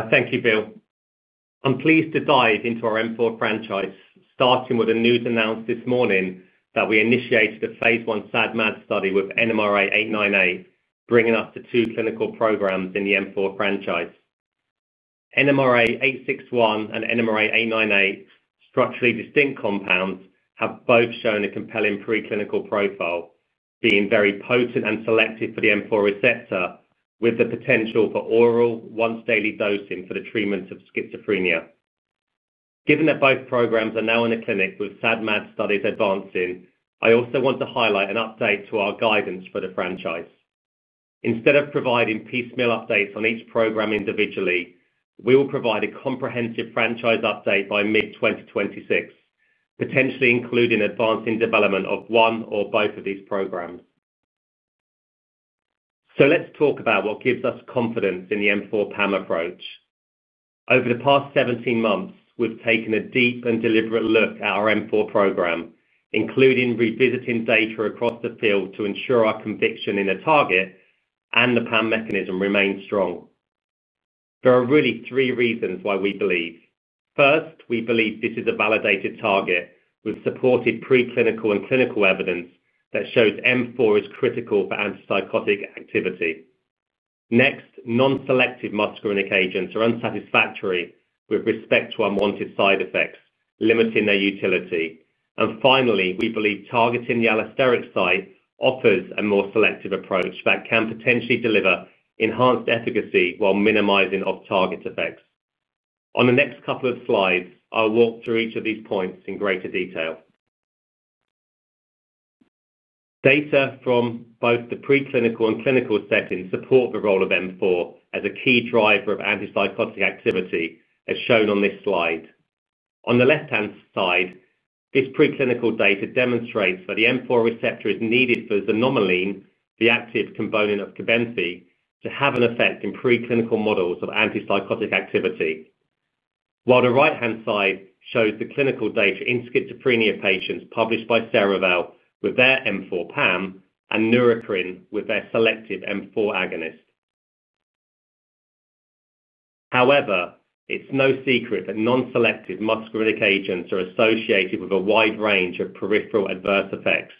Thank you, Bill. I'm pleased to dive into our M4 franchise starting with the news announced this morning that we initiated a phase I SAD/MAD study with NMRA-898, bringing us to two clinical programs in the M4 franchise, NMRA-861 and NMRA-898. Structurally distinct compounds have both shown a compelling preclinical profile, being very potent and selective for the M4 receptor, with the potential for oral once daily dosing for the treatment of schizophrenia. Given that both programs are now in the clinic with SAD/MAD studies advancing, I also want to highlight an update to our guidance for the franchise. Instead of providing piecemeal updates on each program individually, we will provide a comprehensive franchise update by mid-2026, potentially including advancing development of one or both of these programs. Let's talk about what gives us confidence in the M4 PAM approach. Over the past 17 months, we've taken a deep and deliberate look at our M4 program, including revisiting data across the field to ensure our conviction in a target and the PAM mechanism remains strong. There are really three reasons why we believe. First, we believe this is a validated target with supported preclinical and clinical evidence that shows M4 is critical for antipsychotic activity. Next, non-selective muscarinic agents are unsatisfactory with respect to unwanted side effects, limiting their utility. Finally, we believe targeting the allosteric site offers a more selective approach that can potentially deliver enhanced efficacy while minimizing off-target effects. On the next couple of slides, I'll walk through each of these points in greater detail. Data from both the preclinical and clinical settings support the role of M4 as a key driver of antipsychotic activity as shown on this slide on the left-hand side. This preclinical data demonstrates that the M4 receptor is needed for Xanomeline, the active component of KarXT, to have an effect in preclinical models of antipsychotic activity, while the right-hand side shows the clinical data in schizophrenia patients published by Cerevel with their M4 PAM and Neurocrine with their selective M4 agonist. However, it's no secret that non-selective muscarinic agents are associated with a wide range of peripheral adverse effects.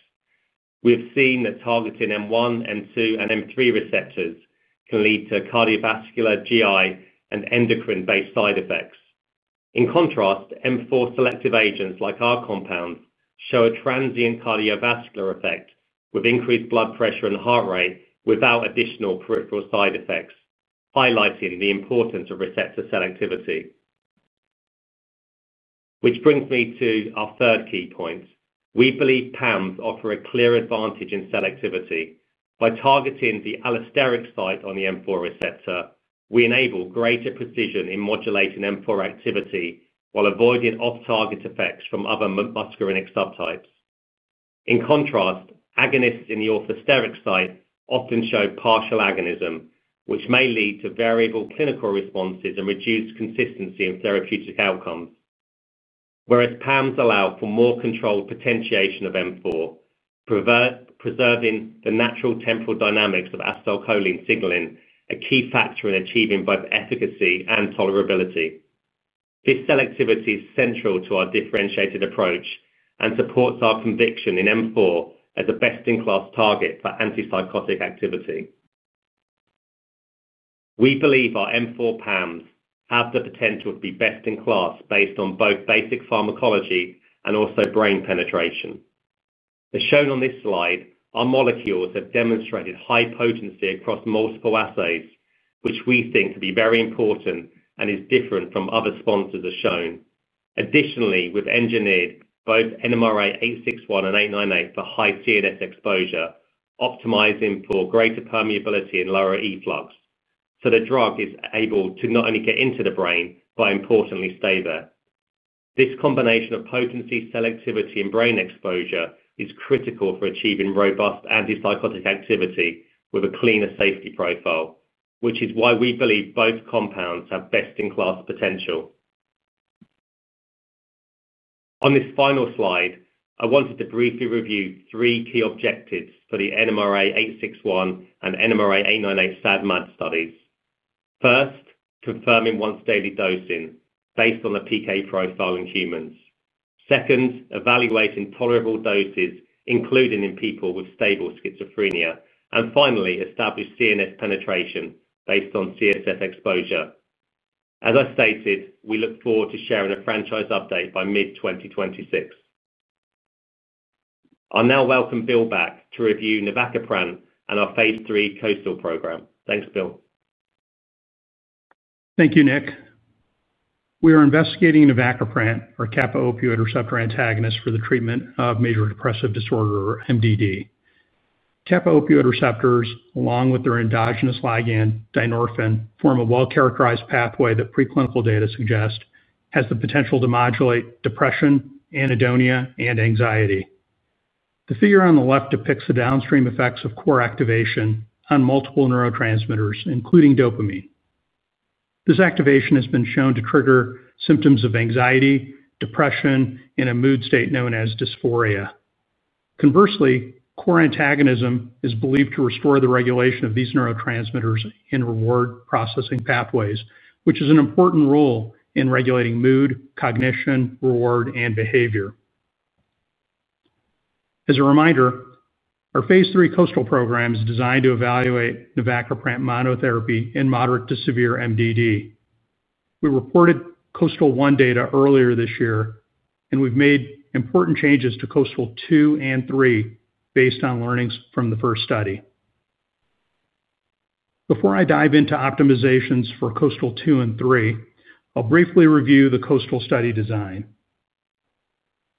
We have seen that targeting M1, M2, and M3 receptors can lead to cardiovascular, GI, and endocrine-based side effects. In contrast, M4 selective agents like our compounds show a transient cardiovascular effect with increased blood pressure and heart rate without additional peripheral side effects, highlighting the importance of receptor selectivity. This brings me to our third key point. We believe PAMs offer a clear advantage in selectivity. By targeting the allosteric site on the M4 receptor, we enable greater precision in modulating M4 activity while avoiding off-target effects from other muscarinic subtypes. In contrast, agonists in the orthosteric site often show partial agonism, which may lead to variable clinical responses and reduced consistency in therapeutic outcomes, whereas PAMs allow for more controlled potentiation of M4, preserving the natural temporal dynamics of acetylcholine signaling, a key factor in achieving both efficacy and tolerability. This selectivity is central to our differentiated approach and supports our conviction in M4 as a best-in-class target for antipsychotic activity. We believe our M4 PAMs have the potential to be best in class based on both basic pharmacology and also brain penetration as shown on this slide. Our molecules have demonstrated high potency across multiple assays, which we think to be very important and is different from other sponsors as shown. Additionally, we've engineered both NMRA-861 and NMRA-898 for high CNS exposure, optimizing for greater permeability and lower efflux so the drug is able to not only get into the brain, but importantly stay there. This combination of potency, selectivity, and brain exposure is critical for achieving robust antipsychotic activity with a cleaner safety profile, which is why we believe both compounds have best-in-class potential. On this final slide, I wanted to briefly review three key objectives for the NMRA-861 and SAD/MAD studies. First, confirming once-daily dosing based on the PK profile in humans, second, evaluating tolerable doses including in people with stable schizophrenia, and finally, establish CNS penetration based on CSF exposure. As I stated, we look forward to sharing a franchise update by mid-2026. I now welcome Bill back to review Navacaprant and our phase III KOASTAL program. Thanks, Bill. Thank you, Nick. We are investigating Navacaprant, our Kappa Opioid receptor antagonist, for the treatment of major depressive disorder, MDD. Kappa Opioid receptors, along with their endogenous ligand dynorphin, form a well-characterized pathway that preclinical data suggest has the potential to modulate depression, anhedonia, and anxiety. The figure on the left depicts the downstream effects of KOR activation on multiple neurotransmitters, including dopamine. This activation has been shown to trigger symptoms of anxiety, depression, and a mood state known as dysphoria. Conversely, KOR antagonism is believed to restore the regulation of these neurotransmitters in reward processing pathways, which is an important role in regulating mood, cognition, reward, and behavior. As a reminder, our phase III KOASTAL program is designed to evaluate Navacaprant monotherapy in moderate to severe MDD. We reported KOASTAL 1 data earlier this year, and we've made important changes to KOASTAL 2 and 3 based on learnings from the first study. Before I dive into optimizations for KOASTAL 2 and 3, I'll briefly review the KOASTAL study design.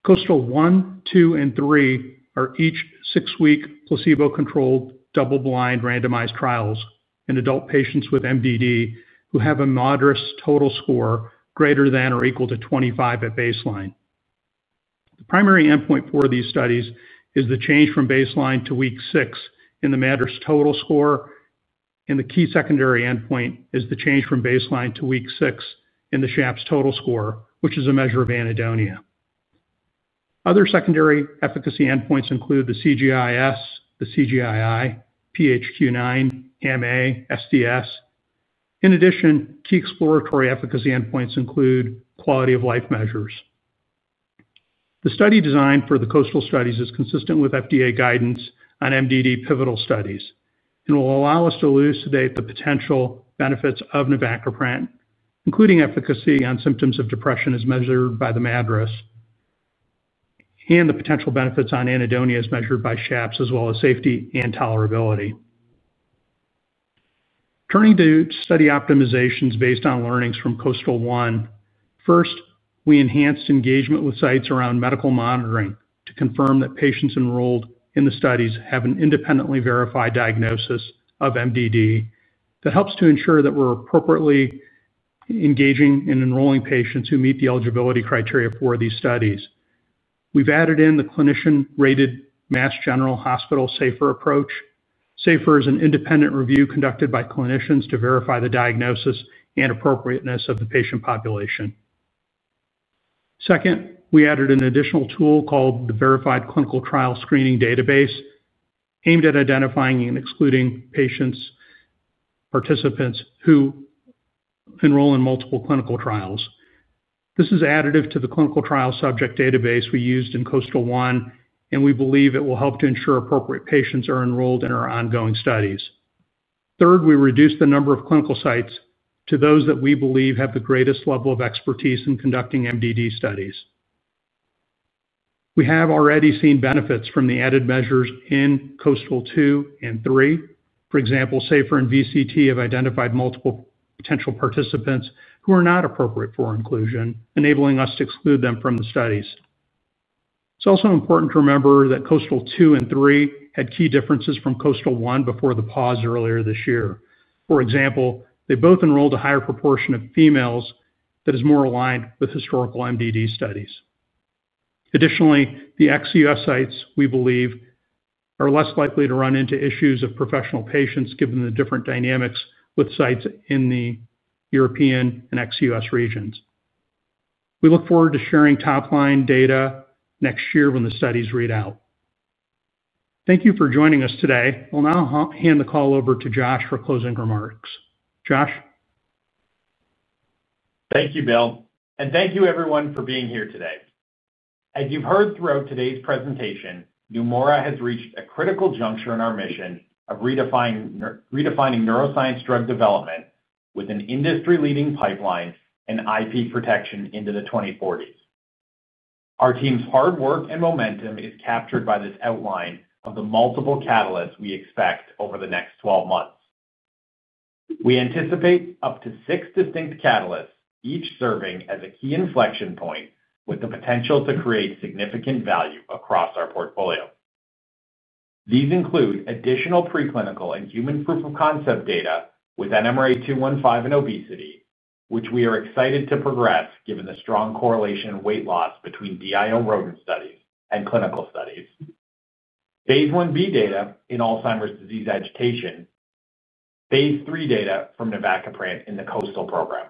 KOASTAL 1, 2, and 3 are each six-week, placebo-controlled, double-blind, randomized trials in adult patients with MDD who have a MADRS total score greater than or equal to 25 at baseline. The primary endpoint for these studies is the change from baseline to week six in the MADRS total score, and the key secondary endpoint is the change from baseline to week six in the SHAPS total score, which is a measure of anhedonia. Other secondary efficacy endpoints include the CGI-S, the CGI-I, PHQ-9, and SDS. In addition, key exploratory efficacy endpoints include quality of life measures. The study design for the KOASTAL studies is consistent with FDA guidance on MDD pivotal studies and will allow us to elucidate the potential benefits of Navacaprant, including efficacy on symptoms of depression as measured by the MADRS and the potential benefits on anhedonia as measured by SHAPS, as well as safety and tolerability. Turning to study optimizations based on learnings from KOASTAL 1, first, we enhanced engagement with sites around medical monitoring to confirm that patients enrolled in the studies have an independently verified diagnosis of MDD. That helps to ensure that we're appropriately engaging and enrolling patients who meet the eligibility criteria for these studies. We've added in the clinician-rated Mass General Hospital SAFER approach. SAFER is an independent review conducted by clinicians to verify the diagnosis and appropriateness of the patient population. Second, we added an additional tool called the Verified Clinical Trial Screening Database aimed at identifying and excluding patient participants who enroll in multiple clinical trials. This is additive to the Clinical Trial Subject database we used in KOASTAL 1, and we believe it will help to ensure appropriate patients are enrolled in our ongoing studies. Third, we reduced the number of clinical sites to those that we believe have the greatest level of expertise in conducting MDD studies. We have already seen benefits from the added measures in KOASTAL 2 and 3. For example, SAFER and VCT have identified multiple potential participants who are not appropriate for inclusion, enabling us to exclude them from the studies. It's also important to remember that KOASTAL 2 and 3 had key differences from KOASTAL 1 before the pause earlier this year. For example, they both enrolled a higher proportion of females that is more aligned with historical MDD studies. Additionally, the ex-U.S. sites we believe are less likely to run into issues of professional patients given the different dynamics with sites in the European and ex-U.S. regions. We look forward to sharing top line data next year when the studies read out. Thank you for joining us today. We'll now hand the call over to Josh for closing remarks. Josh, thank you Bill, and thank you everyone for being here today. As you've heard throughout today's presentation, Neumora has reached a critical juncture in our mission of redefining neuroscience drug development with an industry-leading pipeline and IP protection into the 2040s. Our team's hard work and momentum is captured by this outline of the multiple catalysts we expect over the next 12 months. We anticipate up to six distinct catalysts, each serving as a key inflection point with the potential to create significant value across our portfolio. These include additional preclinical and human proof of concept data with NMRA-215 in obesity, which we are excited to progress given the strong correlation in weight loss between DIO rodent studies and clinical phase I-B data in Alzheimer's disease agitation, and phase III data from Navacaprant in the KOASTAL program.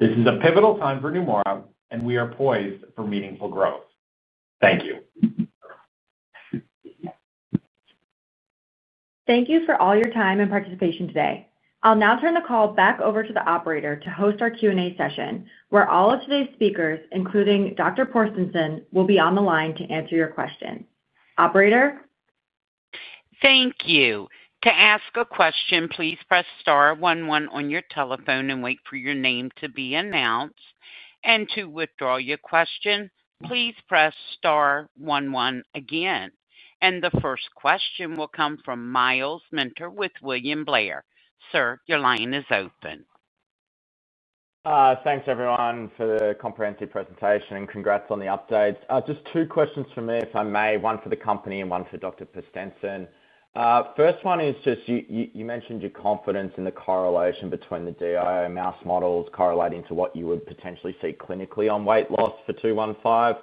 This is a pivotal time for Neumora, and we are poised for meaningful growth. Thank you. Thank you for all your time and participation today. I'll now turn the call back over to the operator to host our Q and A session where all of today's speakers, including Dr. Porsteinsson, will be on the line to answer your questions. Operator. Thank you. To ask a question, please press star 11 on your telephone and wait for your name to be announced. To withdraw your question, please press star one one again. The first question will come from Myles Minter with William Blair. Sir, your line is open. Thanks everyone for the comprehensive presentation and congrats on the updates. Just two questions for me if I may. One for the company and one for Dr. Porsteinsson. First one is just you mentioned your confidence in the correlation between the DIO mouse models correlating to what you would potentially see clinically on weight loss for NMRA-215.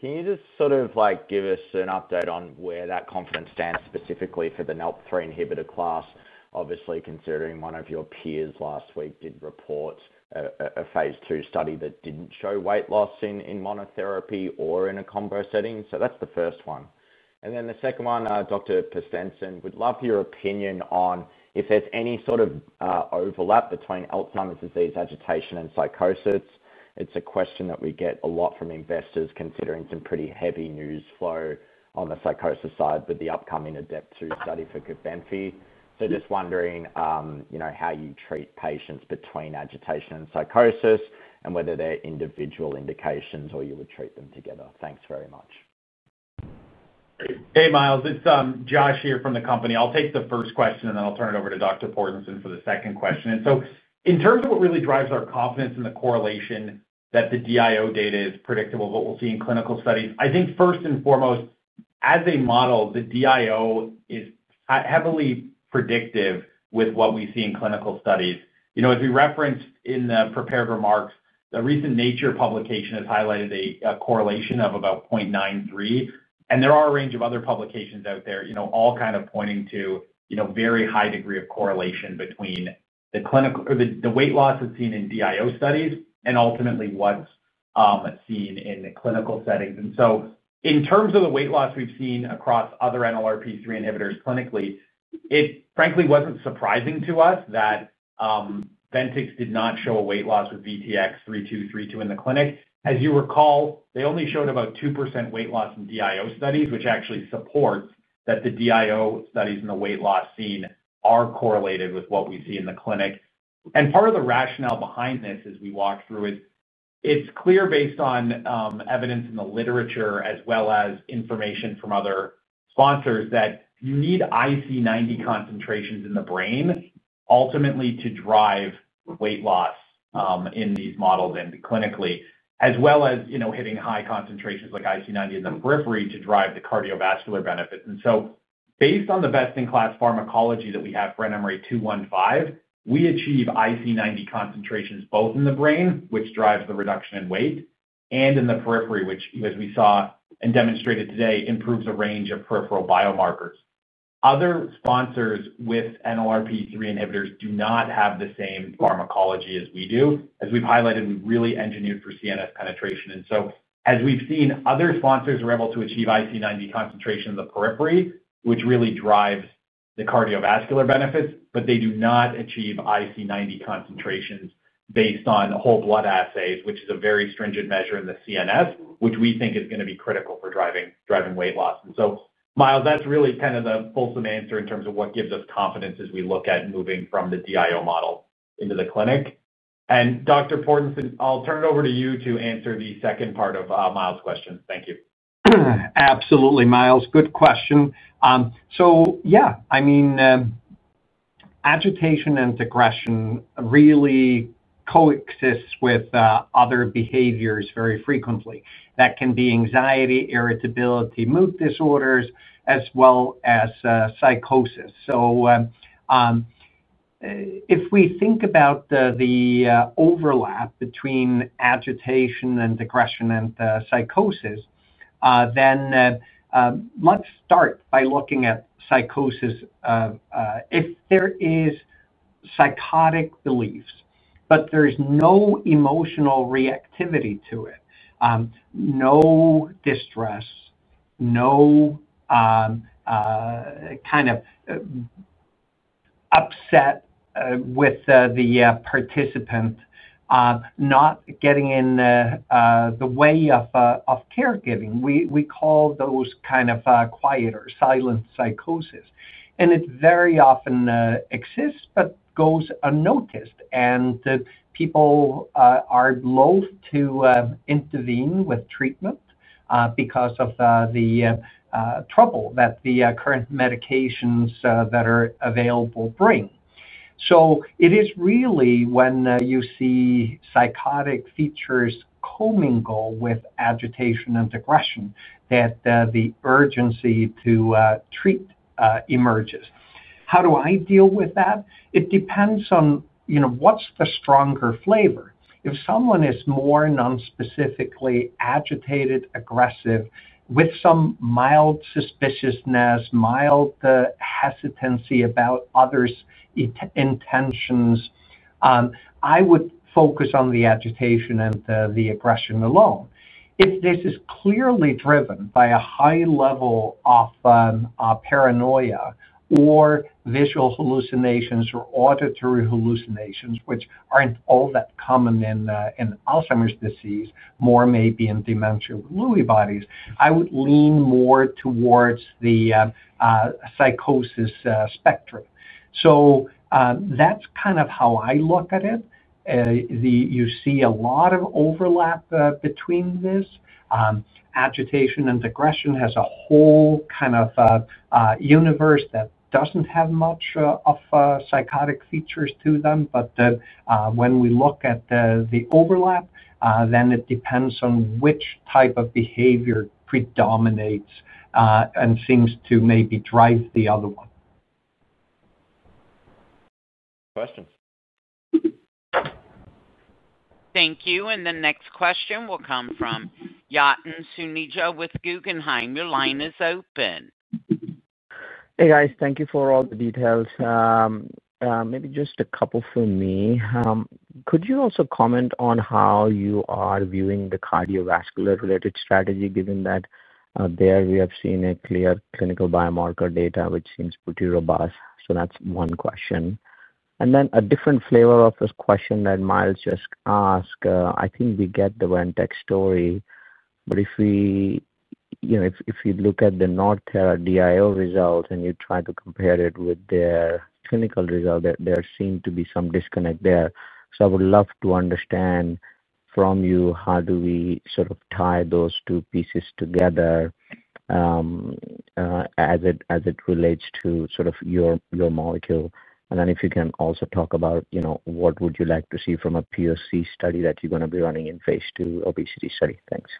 Can you just give. us an update on where that confidence stands specifically for the NLRP3 inhibitor class? Obviously considering one of your peers last. We did report a phase II study. That didn't show weight loss in monotherapy or in a combo setting. That's the first one, and then the second one, Dr. Porsteinsson, would love your opinion on if there's any sort of overlap between Alzheimer's disease agitation and psychosis. It's a question that we get a lot from investors considering some pretty heavy news flow on the psychosis side with the upcoming ADEPTU study for gubenfi. Just wondering how you treat patients between agitation and psychosis and whether they're individual indications or you would group them together. Thanks very much. Hey Myles, it's Josh here from the company. I'll take the first question and then I'll turn it over to Dr. Porsteinsson for the second question. In terms of what really drives our confidence in the correlation that the DIO data is predictive of what we'll see in clinical studies, I think first and foremost as a model, the DIO is heavily predictive with what we see in clinical studies. As we referenced in the prepared remarks, the recent Nature publication has highlighted a correlation of about 0.93, and there are a range of other publications out there all kind of pointing to a very high degree of correlation between the weight loss that's seen in DIO studies and ultimately what's seen in the clinical settings in terms of the weight loss we've seen across other NLRP3 inhibitors. Clinically, it frankly wasn't surprising to us that Ventyx did not show a weight loss with VTX3232 in the clinic. As you recall, they only showed about 2% weight loss in DIO studies, which actually supports that. The DIO studies and the weight loss seen are correlated with what we see in the clinic. Part of the rationale behind this as we walk through it, it's clear based on evidence in the literature as well as information from other sponsors that you need IC90 concentrations in the brain ultimately to drive weight loss in these models and clinically, as well as hitting high concentrations like IC90 in the periphery to drive the cardiovascular benefit. Based on the best-in-class pharmacology that we have for NMRA-215, we achieve IC90 concentrations both in the brain, which drives the reduction in weight, and in the periphery, which as we saw and demonstrated today, improves a range of peripheral biomarkers. Other sponsors with NLRP3 inhibitors do not have the same pharmacology as we do. As we've highlighted, we really engineered for CNS penetration. As we've seen, other sponsors are able to achieve IC90 concentration in the periphery, which really drives the cardiovascular benefits, but they do not achieve IC90 concentrations based on whole blood assays, which is a very stringent measure in the CNS, which we think is going to be critical for driving weight loss. Myles, that's really kind of the fulsome answer in terms of what gives us confidence as we look at moving from the DIO model into the clinic. Dr. Porsteinsson, I'll turn it over to you to answer the second part of Myles' question. Thank you. Absolutely, Myles, good question. Agitation and aggression really coexist with other behaviors very frequently. That can be anxiety, irritability, mood disorders, as well as psychosis. So. If we think about the overlap between agitation and aggression and psychosis, let's start by looking at psychosis. If there are psychotic beliefs, but there is no emotional reactivity to it, no distress, no kind of upset with the participant not getting in the way of caregiving, we call those kind of quieter, silent psychosis. It very often exists but goes unnoticed. People are loath to intervene with treatment because of the trouble that the current medications that are available bring. It is really when you see psychotic features commingle with agitation and aggression that the urgency to treat emerges. How do I deal with that? It depends on what's the stronger flavor. If someone is more nonspecifically agitated, aggressive, with some mild suspiciousness, mild hesitancy about others' intentions, I would focus on the agitation and the aggression alone. If this is clearly driven by a high level of paranoia or visual hallucinations or auditory hallucinations, which aren't all that common in Alzheimer's disease, more maybe in dementia with Lewy bodies, I would lean more towards the psychosis spectrum. That's kind of how I look at it. You see a lot of overlap between this agitation and aggression, which has a whole kind of universe that doesn't have much of psychotic features to them. When we look at the overlap, it depends on which type of behavior predominates and seems to maybe drive the other one. Question. Thank you. The next question will come from Yatin Suneja with Guggenheim. Your line is open. Hey guys, thank you for all the details. Maybe just a couple for me. Could you also comment on how you are viewing the cardiovascular related strategy given that there we have seen a clear clinical biomarker data which seems pretty robust. That's one question, and then a different flavor of this question that Myles just asked. I think we get the Ventyx story, but if you look at the North Thera Dio results and you try to compare it with their clinical result, there seems to be some disconnect there. I would love to understand from you how do we sort of tie those two pieces together as it relates to sort of your molecule. If you can also talk about what would you like to see from a POC study that you're going to be running in phase II obesity study. Thanks.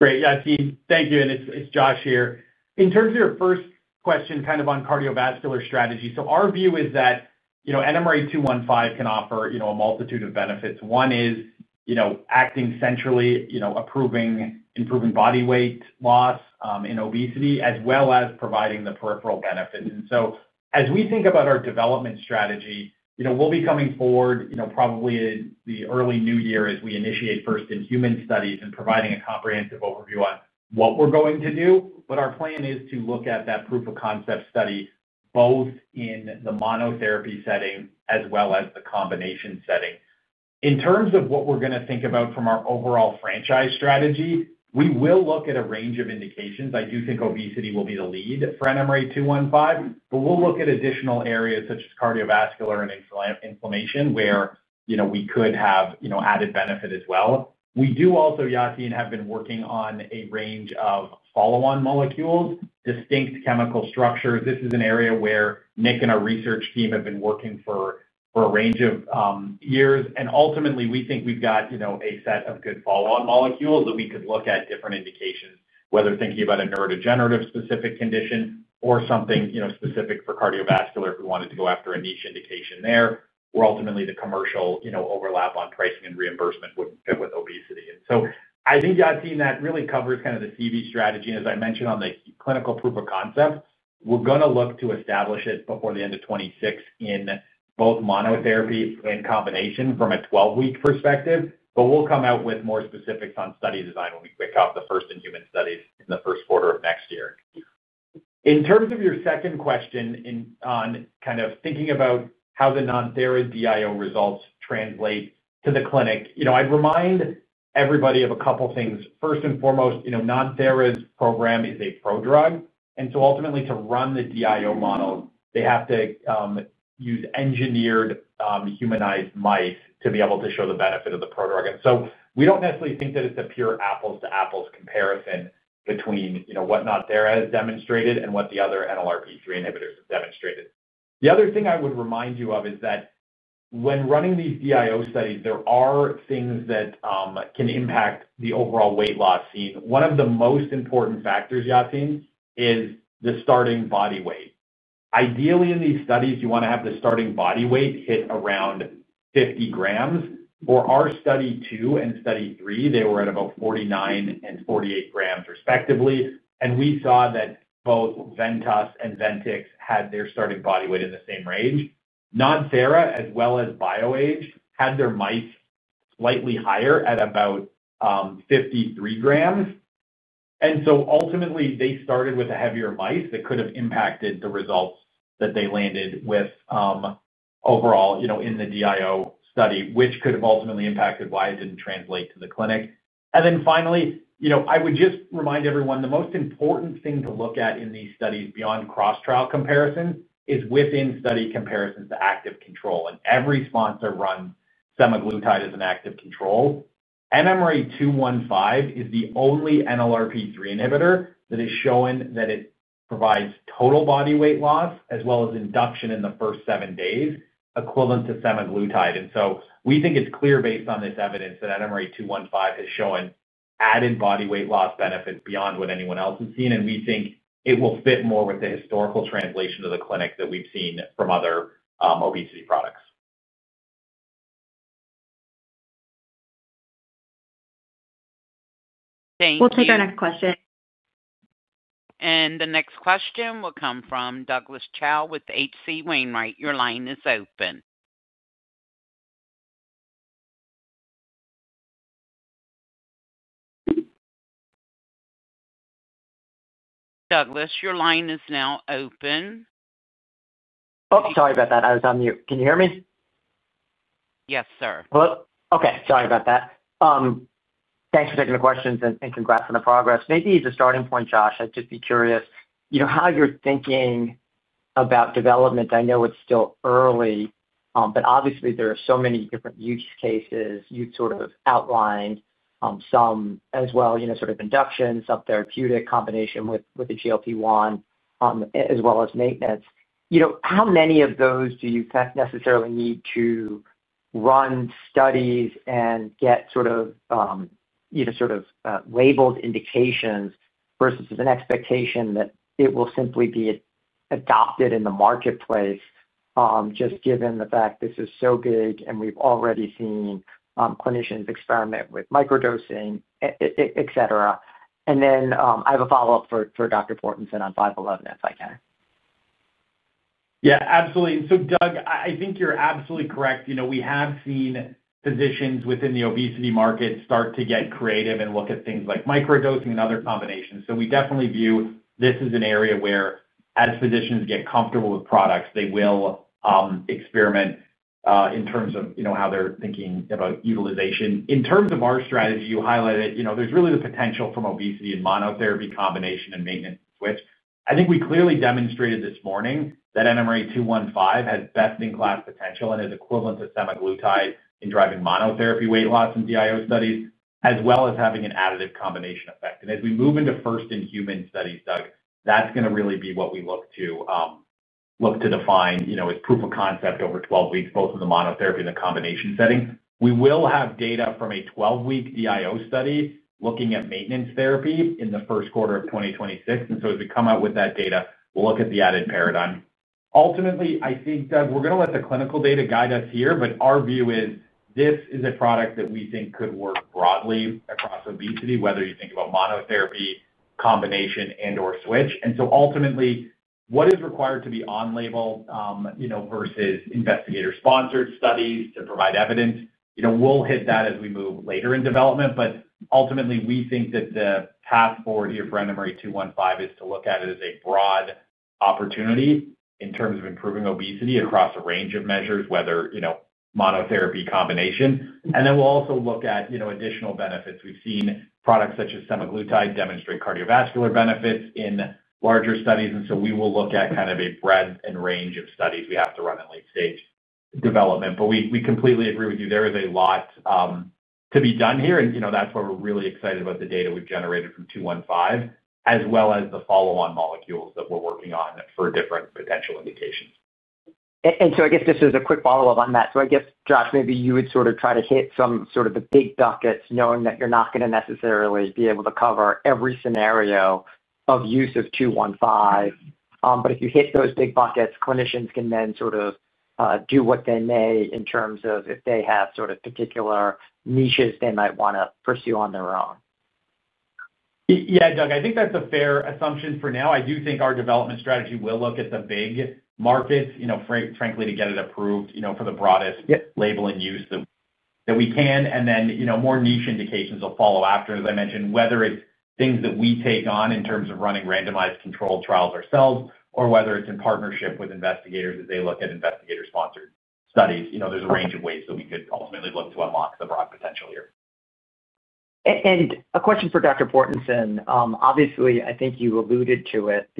Great. Yeah, thank you. It's Josh here. In terms of your first question on cardiovascular strategy, our view is that NMRA-215 can offer a multitude of benefits. One is acting centrally, improving body weight loss in obesity, as well as providing the peripheral benefit. As we think about our development strategy, we'll be coming forward probably in the early new year as we initiate first-in-human studies and provide a comprehensive overview on what we're going to do. Our plan is to look at that proof-of-concept study both in the monotherapy setting as well as the combination setting. In terms of what we're going to think about from our overall franchise strategy, we will look at a range of indications. I do think obesity will be the lead for NMRA-215, but we'll look at additional areas such as cardiovascular and inflammation where we could have added benefit as well. We do also, Yatin, have been working on a range of follow-on molecules, distinct chemical structures. This is an area where Nick and our research team have been working for a range of years, and ultimately we think we've got a set of good follow-on molecules that we could look at for different indications, whether thinking about a neurodegenerative-specific condition or something specific for cardiovascular, if we wanted to go after a niche indication there where ultimately the commercial overlap on pricing and reimbursement wouldn't fit with obesity. I think, Yatin, that really covers the CV strategy. As I mentioned on the clinical proof-of-concept, we're going to look to establish it before the end of 2026 in both monotherapy and combination from a 12-week perspective. We'll come out with more specifics on study design when we kick off the first-in-human studies in the first quarter of next year. In terms of your second question on thinking about how the Nantero DIO results translate to the clinic, I'd remind everybody of a couple things. First and foremost, Nantero's program is a prodrug. Ultimately, to run the DIO model, they have to use engineered humanized mice to be able to show the benefit of the prodrug. We don't necessarily think that it's a pure apples-to-apples comparison between what Nantero has demonstrated and what the other NLRP3 inhibitors have demonstrated. The other thing I would remind you of is that when running these DIO studies, there are things that can impact the overall weight loss seen. One of the most important factors, Yatin, is the starting body weight. Ideally in these studies you want to have the starting body weight hit around. For our study two and study three, they were at about 49 and 48 grams, respectively. We saw that both Ventus and Ventyx had their starting body weight in the same range. NodThera as well as BioAge had their mice slightly higher at about 53 grams. Ultimately, they started with heavier mice that could have impacted the results that they landed with overall in the DIO study, which could have ultimately impacted why it didn't translate to the clinic. Finally, I would just remind everyone the most important thing to look at in these studies beyond cross-trial comparison is within-study comparisons to active control. Every sponsor runs Semaglutide as an active control. NMRA-215 is the only NLRP3 inhibitor that is showing that it provides total body weight loss as well as induction in the first seven days equivalent to Semaglutide. We think it's clear based on this evidence that NMRA-215 has shown added body weight loss benefit beyond what anyone else has seen. We think it will fit more with the historical translation of the clinic that we've seen from other obesity products. Thank you. We'll take our next question. The next question will come from Douglas Tsao with H.C. Wainwright. Your line is open. Douglas, your line is now open. Oops, sorry about that. I was on mute. Can you hear me? Yes, sir. Okay. Sorry about that. Thanks for taking the questions and congrats on the progress. Maybe as a starting point, Josh, I'd just be curious, you know, how you're thinking about development. I know it's still early, but obviously there are so many different use cases. You sort of outlined some as well, you know, sort of induction, some therapeutic combination with the GLP-1 as well as maintenance. How many of those do you necessarily need to run studies and get sort of labeled indications versus an expectation that it will simply be adopted in the marketplace? Just given the fact this is so big and we've already seen clinicians experiment with microdosing, et cetera. I have a follow up. For Dr. Porsteinsson on 511 if I can. Yeah, absolutely. Doug, I think you're absolutely correct. We have seen physicians within the obesity market start to get creative and look at things like microdosing and other combinations. We definitely view this as an area where as physicians get comfortable with products, they will experiment in terms of how they're thinking about utilization. In terms of our strategy, you highlighted there's really the potential from obesity and monotherapy combination and maintenance switch. I think we clearly demonstrated this morning that NMRA-215 has best-in-class potential and is equivalent to Semaglutide in driving monotherapy weight loss in DIO studies, as well as having an additive combination effect. As we move into first-in-human studies, Doug, that's going to really be what we look to define as proof of concept. Over 12 weeks, both in the monotherapy and the combination setting, we will have data from a 12-week DIO study looking at maintenance therapy in the first quarter of 2026. As we come out with. That data, we'll look at the added paradigm. Ultimately, I think, Doug, we're going to let the clinical data guide us here, but our view is this is a product that we think could work broadly across obesity, whether you think about monotherapy, combination, and or switch. Ultimately, what is required to be on label versus investigator sponsored studies to provide evidence, we'll hit that as we move later in development. Ultimately, we think that the path forward here for NMRA-215 is to look at it as a broad opportunity in terms of improving obesity across a range of measures, whether, you know, monotherapy, combination. We'll also look at additional benefits. We've seen products such as Semaglutide demonstrate cardiovascular benefits in larger studies. We will look at a breadth and range of studies we have to run at late stage development. We completely agree with you, there is a lot to be done here. That's why we're really excited about the data we've generated from 215 as well as the follow-on molecules that we're working on for different potential indications. I guess this is a. Quick follow-up on that. I guess, Josh, maybe you would try to hit some of the big buckets, knowing that you're not going to necessarily be able to cover every scenario of use of NMRA-215. If you hit those big buckets, clinicians can then do what they may in terms of if they have particular niches they might. Want to pursue on their own. Yeah, Doug, I think that's a fair assumption for now. I do think our development strategy will look at the big markets, frankly, to get it approved for the broadest label and use that we can. More niche indications will follow after, as I mentioned, whether it's things that we take on in terms of running randomized controlled trials ourselves or whether it's in partnership with investigators as they look at investigator sponsored studies. There's a range of ways that we could ultimately look to unlock the broad potential here. A question for Dr. Porsteinsson. Obviously, I think you alluded to it.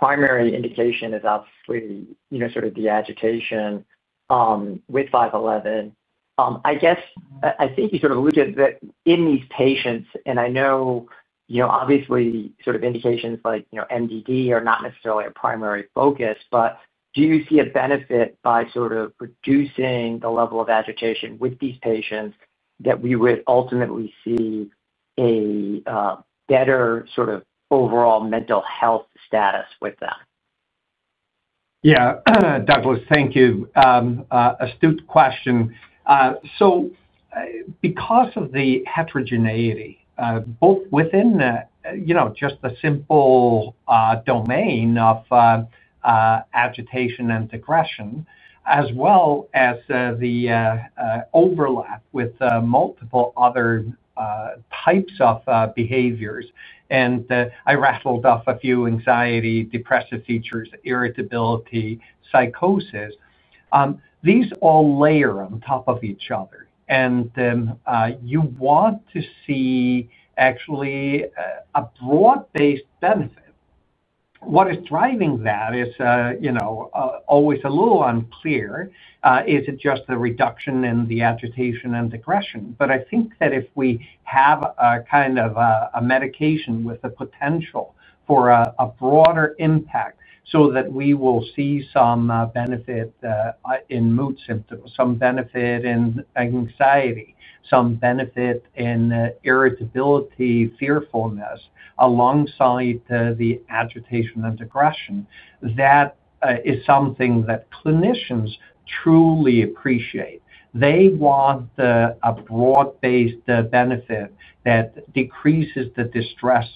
The primary indication is obviously sort of the agitation with 511, I guess. I think you sort of alluded that in these patients. I know obviously sort of indications like MDD are not necessarily a primary focus, but do you see a benefit by sort of reducing the level of agitation with these patients that we would ultimately see a better sort of overall mental health status with them? Yeah, Douglas, thank you. Astute question. Because of the heterogeneity both within just the simple domain of agitation and aggression, as well as the overlap with multiple other types of behaviors, and I rattled off a few: anxiety, depressive features, irritability, psychosis, these all layer on top of each other. You want to see actually a broad-based benefit. What is driving that is always a little unclear. Is it just the reduction in the agitation and aggression? I think that if we have a kind of a medication with the potential for a broader impact so that we will see some benefit in mood symptoms, some benefit in anxiety, some benefit in irritability, fearfulness alongside the agitation and aggression, that is something that clinicians truly appreciate. They want a broad-based benefit that decreases the distress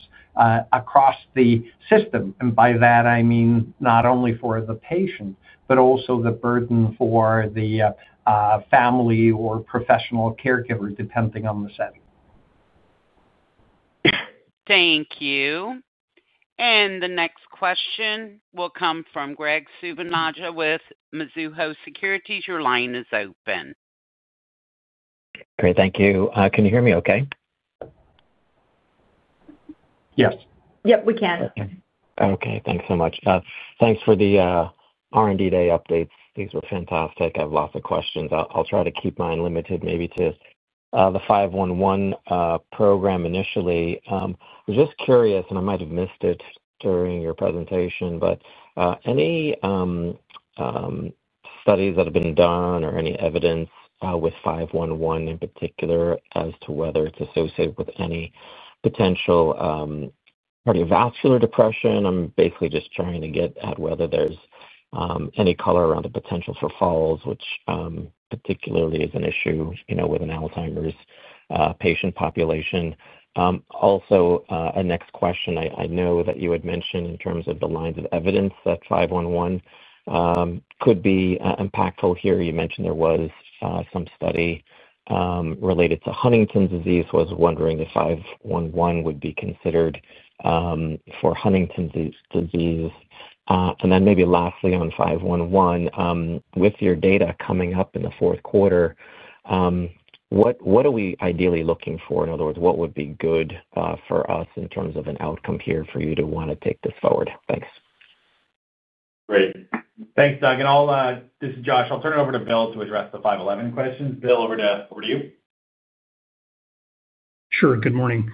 across the system. By that I mean not only for the patient, but also the burden for the family or professional caregiver, depending on the setting. Thank you. The next question will come from Craig Suvannavejh with Mizuho Securities. Your line is open. Great, thank you. Can you hear me okay? Yes. Yep, we can. Okay, thanks so much. Thanks for the R&D day updates. These were fantastic. I have lots of questions. I'll try to keep mine limited maybe to the 511 program. Initially, I was just curious and I might have missed it during your presentation, but. Any. Studies that have been done or any evidence with NMRA-511 in particular as to whether it's associated with any potential cardiovascular depression. I'm basically just trying to get at whether there's any color around the potential for falls, which particularly is an issue with an Alzheimer's patient population. Also, a next question. I know that you had mentioned in terms of the lines of evidence that NMRA-511 could be impactful here. You mentioned there was some study related to Huntington's disease. Was wondering if NMRA-511 would be considered for Huntington's disease. And then maybe lastly on NMRA-511, with your data coming up in the fourth. Quarter. What are we ideally looking for? In other words, what would be good for us in terms of an outcome here for you to want to take this forward. Thanks. Great. Thanks, Doug. This is Josh. I'll turn it over to Bill to address the 511 questions. Bill, over to you. Sure. Good morning.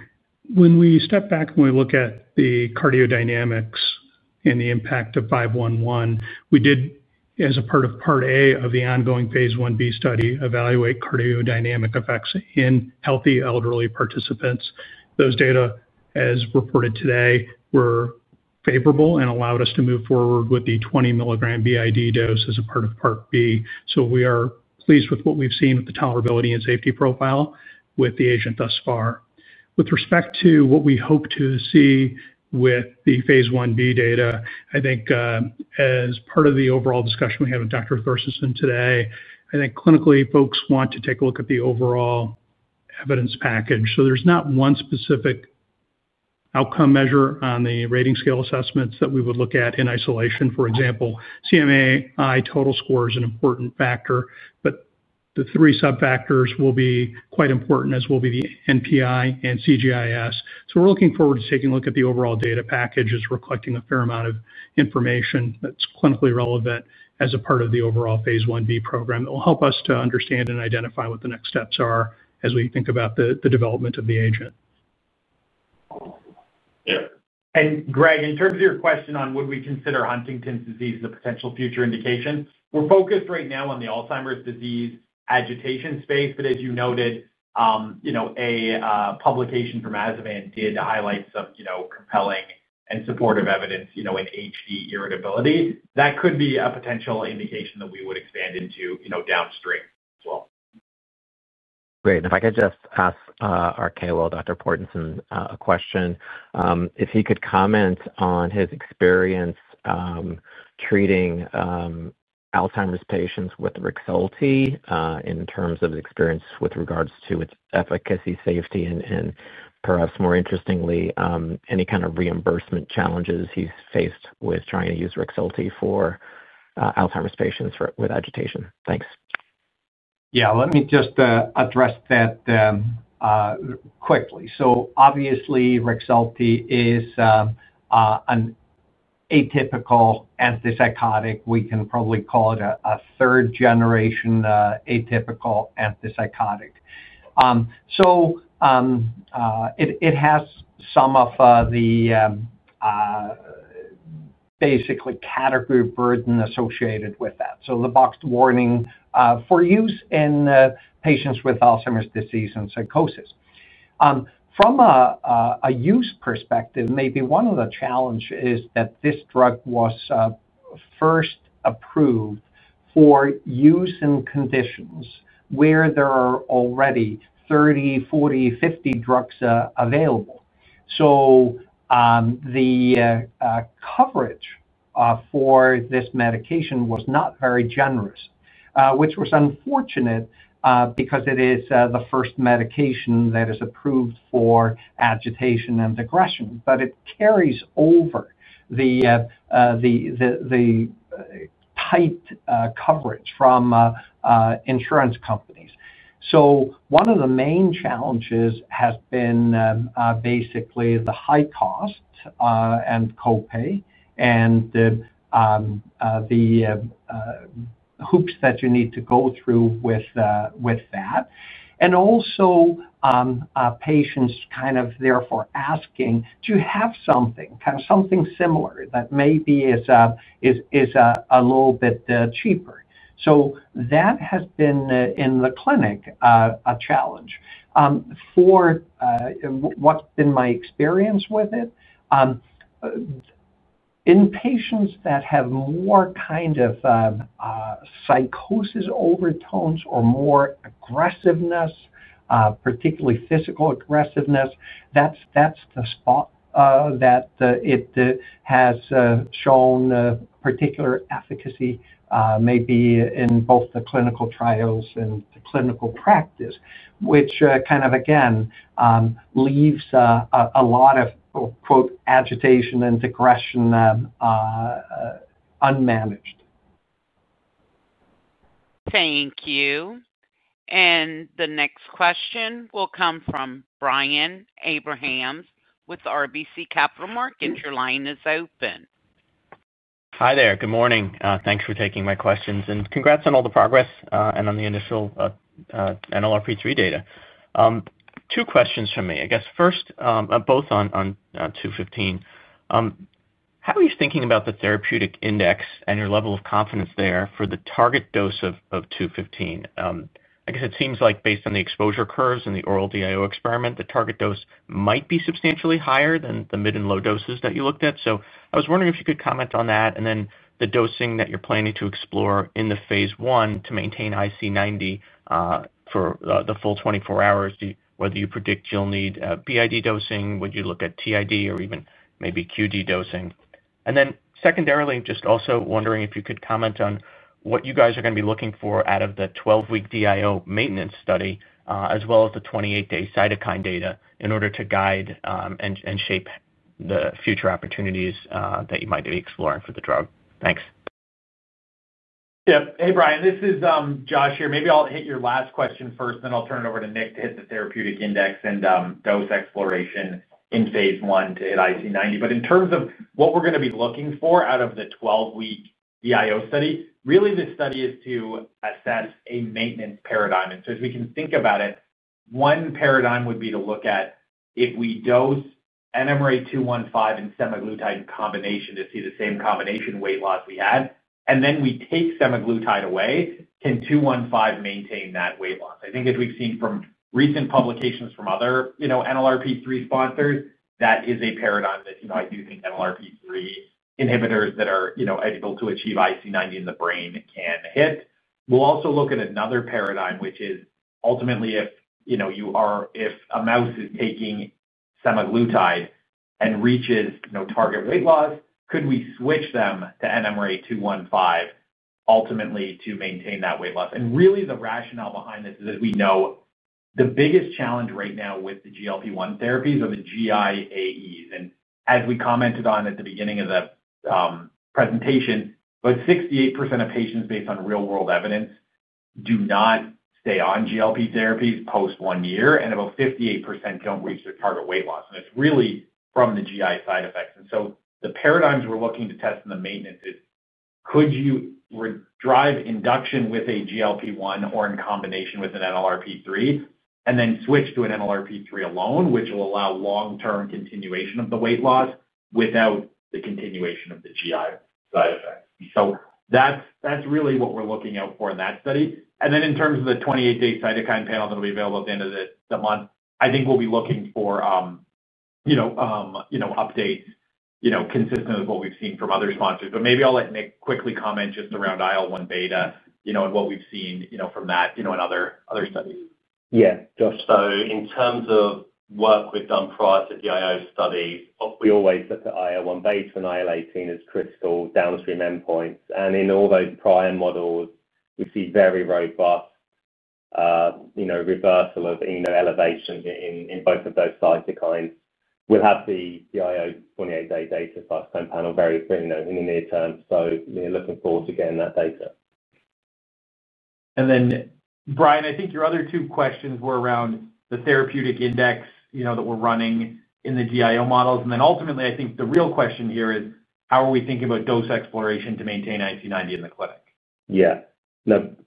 When we step back and we look at the cardiometabolic biomarkers and the impact of NMRA-511, we did, as a part of Part A of the phase I-B study, evaluate cardiometabolic effects in healthy elderly participants. Those data as reported today were favorable and allowed us to move forward with the 20 mg BID dose as a part of Part B. We are pleased with what we've seen with the tolerability and safety profile with the agent thus far. With respect to what we hope to see with phase I-B data, I think as part of the overall discussion we have with Dr. Anton Porsteinsson today, clinically folks want to take a look at the overall. There's not one specific outcome measure on the rating scale assessments that we would look at in isolation. For example, CMAI total score is an important factor, but the three subfactors will be quite important, as will be the NPI and CGI-S. We're looking forward to taking a look at the overall data packages. We're collecting a fair amount of information that's clinically relevant as a part of the phase I-B program that will help us to understand and identify what the next steps are as we think about the development of the agent. Greg, in terms of your question on would we consider Huntington's disease as a potential future indication, we're focused right now on the Alzheimer's disease agitation space. As you noted, a publication from Aziman did highlight some compelling and supportive evidence in HD irritability that could be a potential indication that we would expand into downstream. Great. If I could just ask our KOL, Dr. Porsteinsson, a question, if he could comment on his experience treating Alzheimer's patients with REXULTI in terms of experience with regards to its efficacy, safety, and perhaps more interestingly, any kind of reimbursement challenges he's faced with trying to use REXULTIfor Alzheimer's patients with agitation. Thanks. Let me just address that quickly. Obviously, Rexulti is an atypical antipsychotic. We can probably call it a third generation atypical antipsychotic. It has some of the basically category burden associated with that. The boxed warning for use in patients with Alzheimer's disease and psychosis, from a use perspective, maybe one of the challenges is that this drug was first approved for use in conditions where there are already 30, 40, 50 drugs available. The coverage for this medication was not very generous, which was unfortunate because it is the first medication that is approved for agitation and aggression, but it carries over the tight coverage from insurance companies. One of the main challenges has been basically the high cost and copay and the hoops that you need to go through with that. Also, patients kind of therefore asking to have something similar that maybe is a little bit cheaper. That has been in the clinic a challenge for what's been my experience with it in patients that have more kind of psychosis overtones or more aggressiveness, particularly physical aggressiveness. That's the spot that it has shown particular efficacy maybe in both the clinical trials and the clinical practice, which kind of again leaves a lot of, quote, agitation and depression unmanaged. Thank you. The next question will come from Brian Abrahams with RBC Capital Markets. Your line is open. Hi there. Good morning. Thanks for taking my questions and congrats on all the progress and on the initial NLRP3 data. Two questions from me. First, both on NMRA-215, how are you thinking about the therapeutic index and your level of confidence there for the target dose of NMRA-215? It seems like based on the exposure curves in the oral DIO experiment, the target dose might be substantially higher than the mid and low doses. That you looked at. I was wondering if you could comment on that. The dosing that you're planning to explore in the phase I to maintain IC90 for the full 24 hours, whether you predict you'll need BID dosing, would you look at TID or even maybe QD dosing? Secondarily, just also wondering if you could comment on what you guys are going to be looking for out of the 12-week DIO maintenance study as well as the 28-day cytokine data in order to guide and shape the future opportunities that you might be exploring for the drug. Thanks. Hey Brian, this is Josh here. Maybe I'll hit your last question first, then I'll turn it over to Nick to hit the therapeutic index and dose exploration in phase I to hit IC90. In terms of what we're going to be looking for out of the 12-week DIO study, really this study is to assess a maintenance paradigm. As we can think about it, one paradigm would be to look at if we dose NMRA-215 and Semaglutide in combination to see the same combination weight loss we had, and then we take Semaglutide away, can 215 maintain that weight loss? I think as we've seen from recent publications from other NLRP3 sponsors, that is a paradigm that I do think NLRP3 inhibitors that are able to achieve IC90 in the brain can hit. We'll also look at another paradigm, which is ultimately, if a mouse is taking Semaglutide and reaches target weight loss, could we switch them to NMRA-215 ultimately to maintain that weight loss? The rationale behind this is, as we know, the biggest challenge right now with the GLP-1 therapies are the GI AEs. As we commented on at the beginning of the presentation, 68% of patients based on real-world evidence do not stay on GLP-1 therapies post one year and about 58% don't reach their target weight loss. It's really from the GI side effects. The paradigms we're looking to test in the maintenance is could you drive induction with a GLP-1 or in combination with an NLRP3 and then switch to an NLRP3 alone, which will allow long-term continuation of the weight loss without the continuation of the GI side effects. That's really what we're looking out for in that study. In terms of the 28-day cytokine panel that'll be available at the end of the month, I think we'll be looking for updates consistent with what we've seen from other sponsors. Maybe I'll let Nick quickly comment just around IL-1beta and what we've seen from that in other studies. Yeah, Josh. In terms of work we've done prior to the IO studies, we always look at IL-1 beta and IL-18 as critical downstream endpoints. In all those prior models, we see very robust reversal of elevations in both of those cytokines. We'll have the IO 28-day data cytokine panel very in the near term. We're looking forward to getting that data. Brian, I think your other two questions were around the therapeutic index that we're running in the DIO models. Ultimately, I think the real question here is how are we thinking about dose exploration to maintain IC90 in the clinic? Yeah,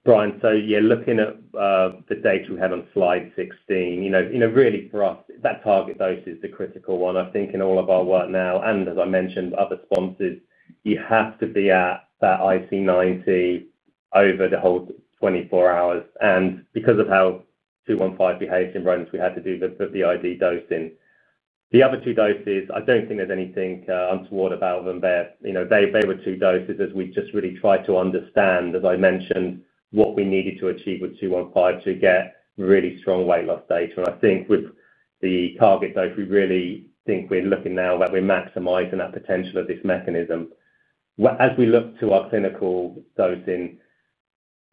Brian, looking at the data we had on slide 16, really for us that target dose is the critical one. I think in all of our work now, as I mentioned, other sponsors, you have to be at that IC90 over the whole 24 hours. Because of how NMRA-215 behaves in rodents, we had to do the ID dosing. The other two doses, I don't think there's anything untoward about them. They were two doses. As we just really tried to understand, as I mentioned, what we needed to achieve with NMRA-215 to get really strong weight loss data. I think with the target dose, we really think we're looking now that we're maximizing that potential of this mechanism as we look to our clinical dosing.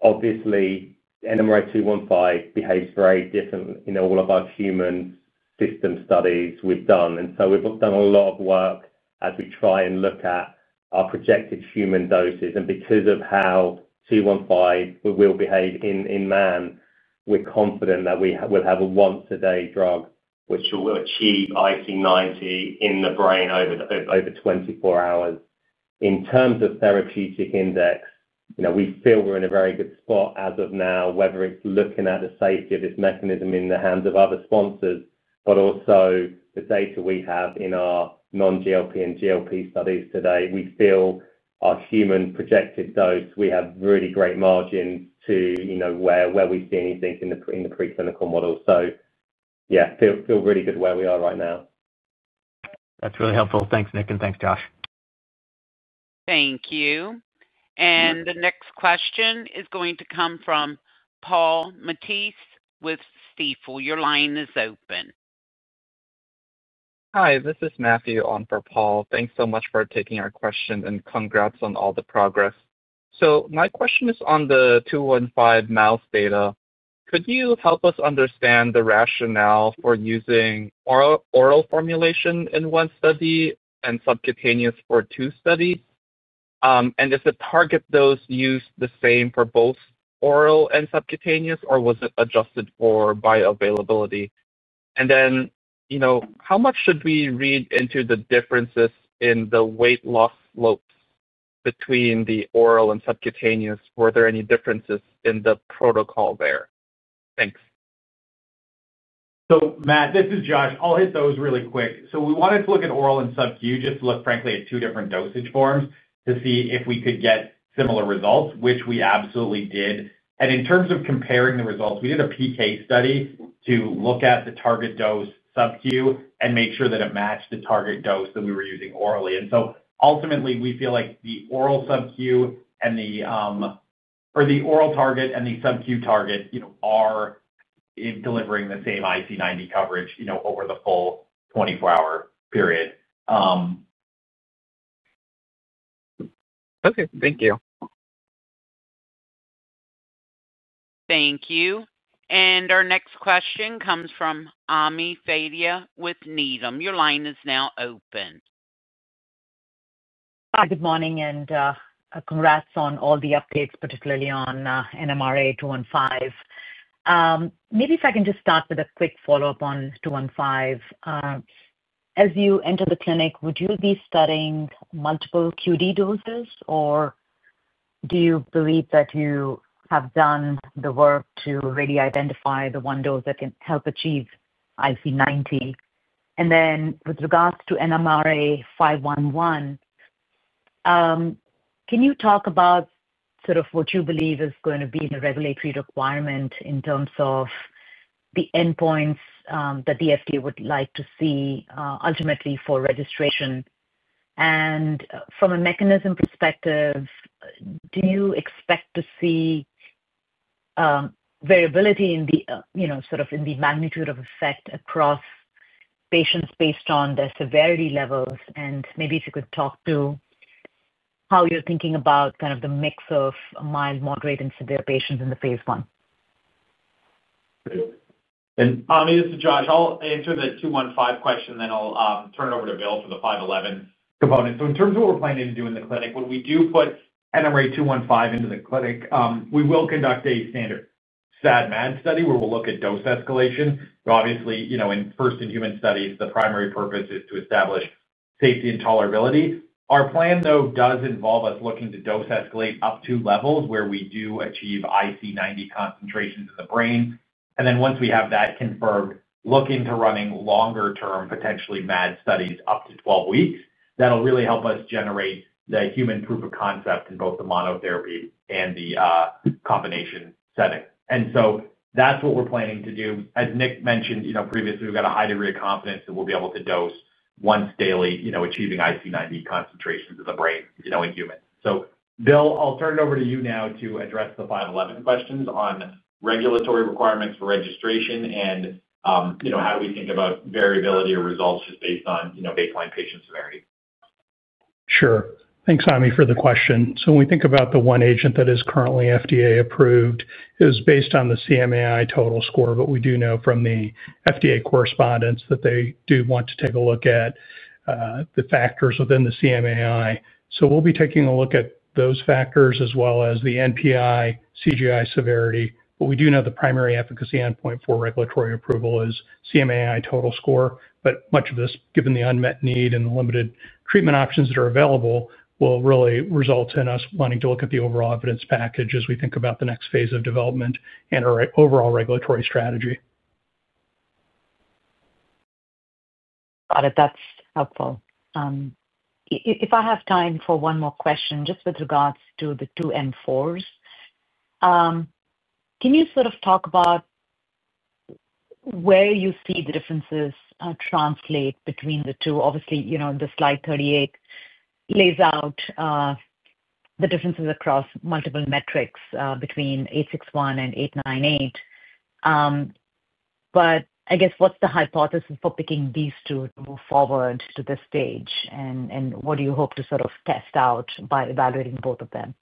Obviously, NMRA-215 behaves very different in all of our human system studies we've done. We've done a lot of work as we try and look at our projected human doses, and because of how NMRA-215 will behave in man, we're confident that we will have a once a day drug which will achieve IC90 in the brain over 24 hours. In terms of therapeutic index, we feel we're in a very good spot as of now, whether it's looking at the safety of this mechanism in the hands of other sponsors, but also the data we have in our non-GLP and GLP studies today. We feel our human projected dose, we have really great margins to where we see anything in the preclinical model. Feel really good where we are right now. That's really helpful. Thanks, Nick, and thanks, Josh. Thank you. The next question is going to come from Paul Matisse with Stifel. Your line is open. Hi, this is Matthew on for Paul. Thanks so much for taking our question. Congratulations on all the progress. My question is on the NMRA-215 mouse data. Could you help us understand the rationale for using oral formulation in one study and subcutaneous for two studies? Is the target dose used? same for both oral and subcutaneous, or was it adjusted for bioavailability? How much should we read into the differences in the weight loss slopes between the oral and subcutaneous? Were there any differences in the protocol there? Thanks. Matt, this is Josh. I'll hit those really quick. We wanted to look at oral and subq, just to look frankly at two different dosage forms to see if we could get similar results, which we absolutely did. In terms of comparing the results, we did a PK study to look at the target dose subq and make sure that it matched the target dose that we were using orally. Ultimately, we feel like the oral target and the subq target are delivering the same IC90 coverage over the full 24 hour period. Okay, thank you. Thank you. Our next question comes from Ami Fadia with Needham. Your line is now open. Hi, good morning and congrats on all the updates, particularly on NMRA-215. Maybe if I can just start with a quick follow-up on 215 as you enter the clinic, would you be studying multiple QD doses or do you believe that you have done the work to really identify the one dose that can help achieve IC90? With regards to NMRA-511, can you talk about what you believe is going to be the regulatory requirement in terms of the endpoints that the FDA would like to see ultimately for registration, and from a mechanism perspective, do you expect to see. Variability in. Sort of in the. Magnitude of effect across patients based on their severity levels? Maybe if you could talk to how you're thinking about kind of the mix of mild, moderate, and severe patients in the phase I. Tommy, this is Josh. I'll answer the 215 question, then I'll turn it over to Bill for the 511 component. In terms of what we're planning to do in the clinic, when we do put NMRA-215 into the clinic, we will conduct a standard SAD/MAD study where we'll look at dose escalation. Obviously, in first-in-human studies, the primary purpose is to establish safety and tolerability. Our plan, though, does involve us looking to dose escalate up to levels where we do achieve IC90 concentrations in the brain. Once we have that confirmed, we will look into running longer-term, potentially MAD studies up to 12 weeks. That'll really help us generate the human proof of concept in both the monotherapy and the combination setting. That's what we're planning to do. As Nick mentioned previously, we've got a high degree of confidence that we'll be able to dose once daily, achieving IC90 concentrations of the brain in humans. Bill, I'll turn it over to you now to address the 511 questions on regulatory requirements for registration and how we think about variability or results just based on baseline patient severity. Sure. Thanks, Ami, for the question. When we think about the one agent that is currently FDA approved, it is based on the CMAI total score. We do know from the FDA correspondence that they want to take a look at the factors within the CMAI. We will be taking a look at those factors as well as the NPI CGI severity. We do know the primary efficacy endpoint for regulatory approval is CMAI total score. Much of this, given the unmet need and the limited treatment options that are available, will really result in us wanting to look at the overall evidence package as we think about the next phase of development and our overall regulatory strategy. Got it. That's helpful. If I have time for one more question. Just with regards to the two M4s, can you sort of talk about where you see the differences translate between the two? Obviously, you know, slide 38 lays out the differences across multiple metrics between NMRA-861 and NMRA-898. I guess what's the hypothesis for picking these two to move forward to this stage, and what do you hope to sort of test out by evaluating both of them?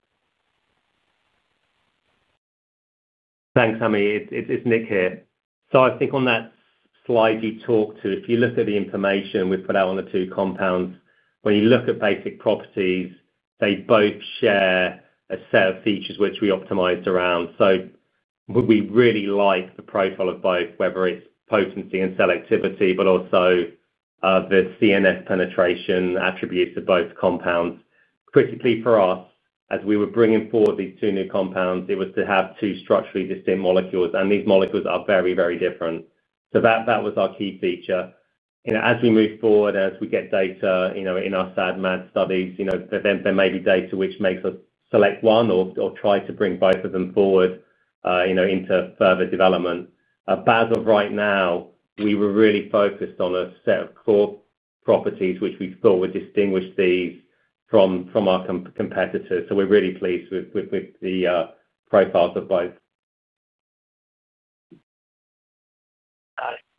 Thanks, Ami. It's Nick here. I think on that slide you talked to, if you look at the information we've put out on the two compounds, when you look at basic properties, they both share a set of features which we optimized around. We really like the profile of both, whether it's potency and selectivity, but also the CNS penetration attributes of both compounds. Critically, for us, as we were bringing forward these two new compounds, it was to have two structurally distinct molecules, and these molecules are very, very different. That was our key feature as we move forward, as we get data in our SAD/MADs studies, there may be data which makes us select one or try to bring both of them forward into further development. As of right now, we were really focused on a set of core properties which we thought would distinguish these from our competitors. We're really pleased with the profiles of both.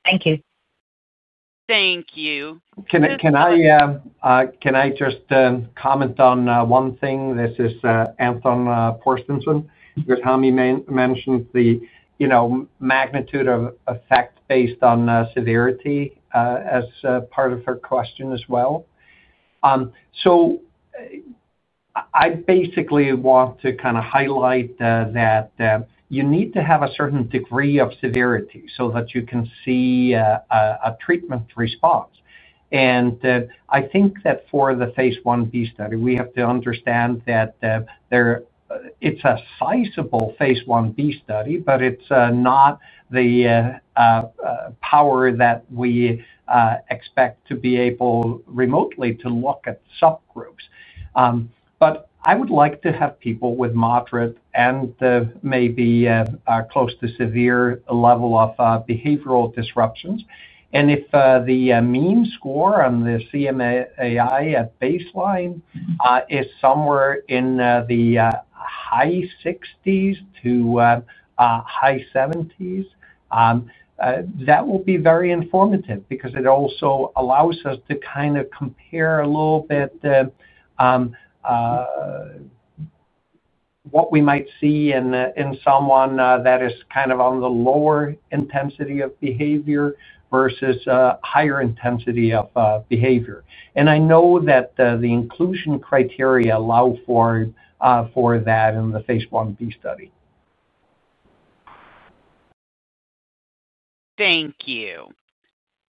Thank you. Thank you. Can I just comment on one thing? This is. P. Porsteinsson mentioned the magnitude of effect based on severity as part of her question as well. I basically want to kind of highlight that you need to have a certain degree of severity so that you can see a treatment response. I think that for phase I-B study, we have to understand that it's a phase I-B study, but it's not the power that we expect to be able remotely to look at subgroups. I would like to have people with moderate and maybe close to severe level of behavioral disruptions. If the mean score on the CMAI at baseline is somewhere in the high 60s to high 70s, that will be very informative because it also allows us to kind of compare a little bit what we might see in someone that is kind of on the lower intensity of behavior versus higher intensity of behavior. I know that the inclusion criteria allow for that in phase I-B study. Thank you.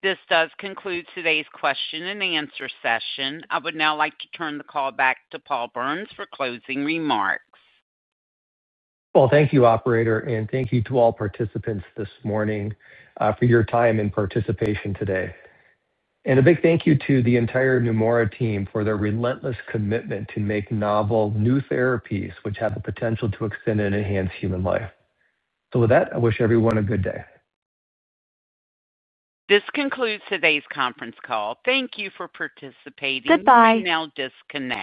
This does conclude today's question and answer session. I would now like to turn the call back to Paul Berns for closing remarks. Thank you, operator, and thank you to all participants this morning for your time and participation today. A big thank you to the entire Neumora team for their relentless commitment to make novel new therapies which have the potential to extend and enhance human life. With that, I wish everyone a good day. This concludes today's conference call. Thank you for participating. Goodbye. You now disconnect.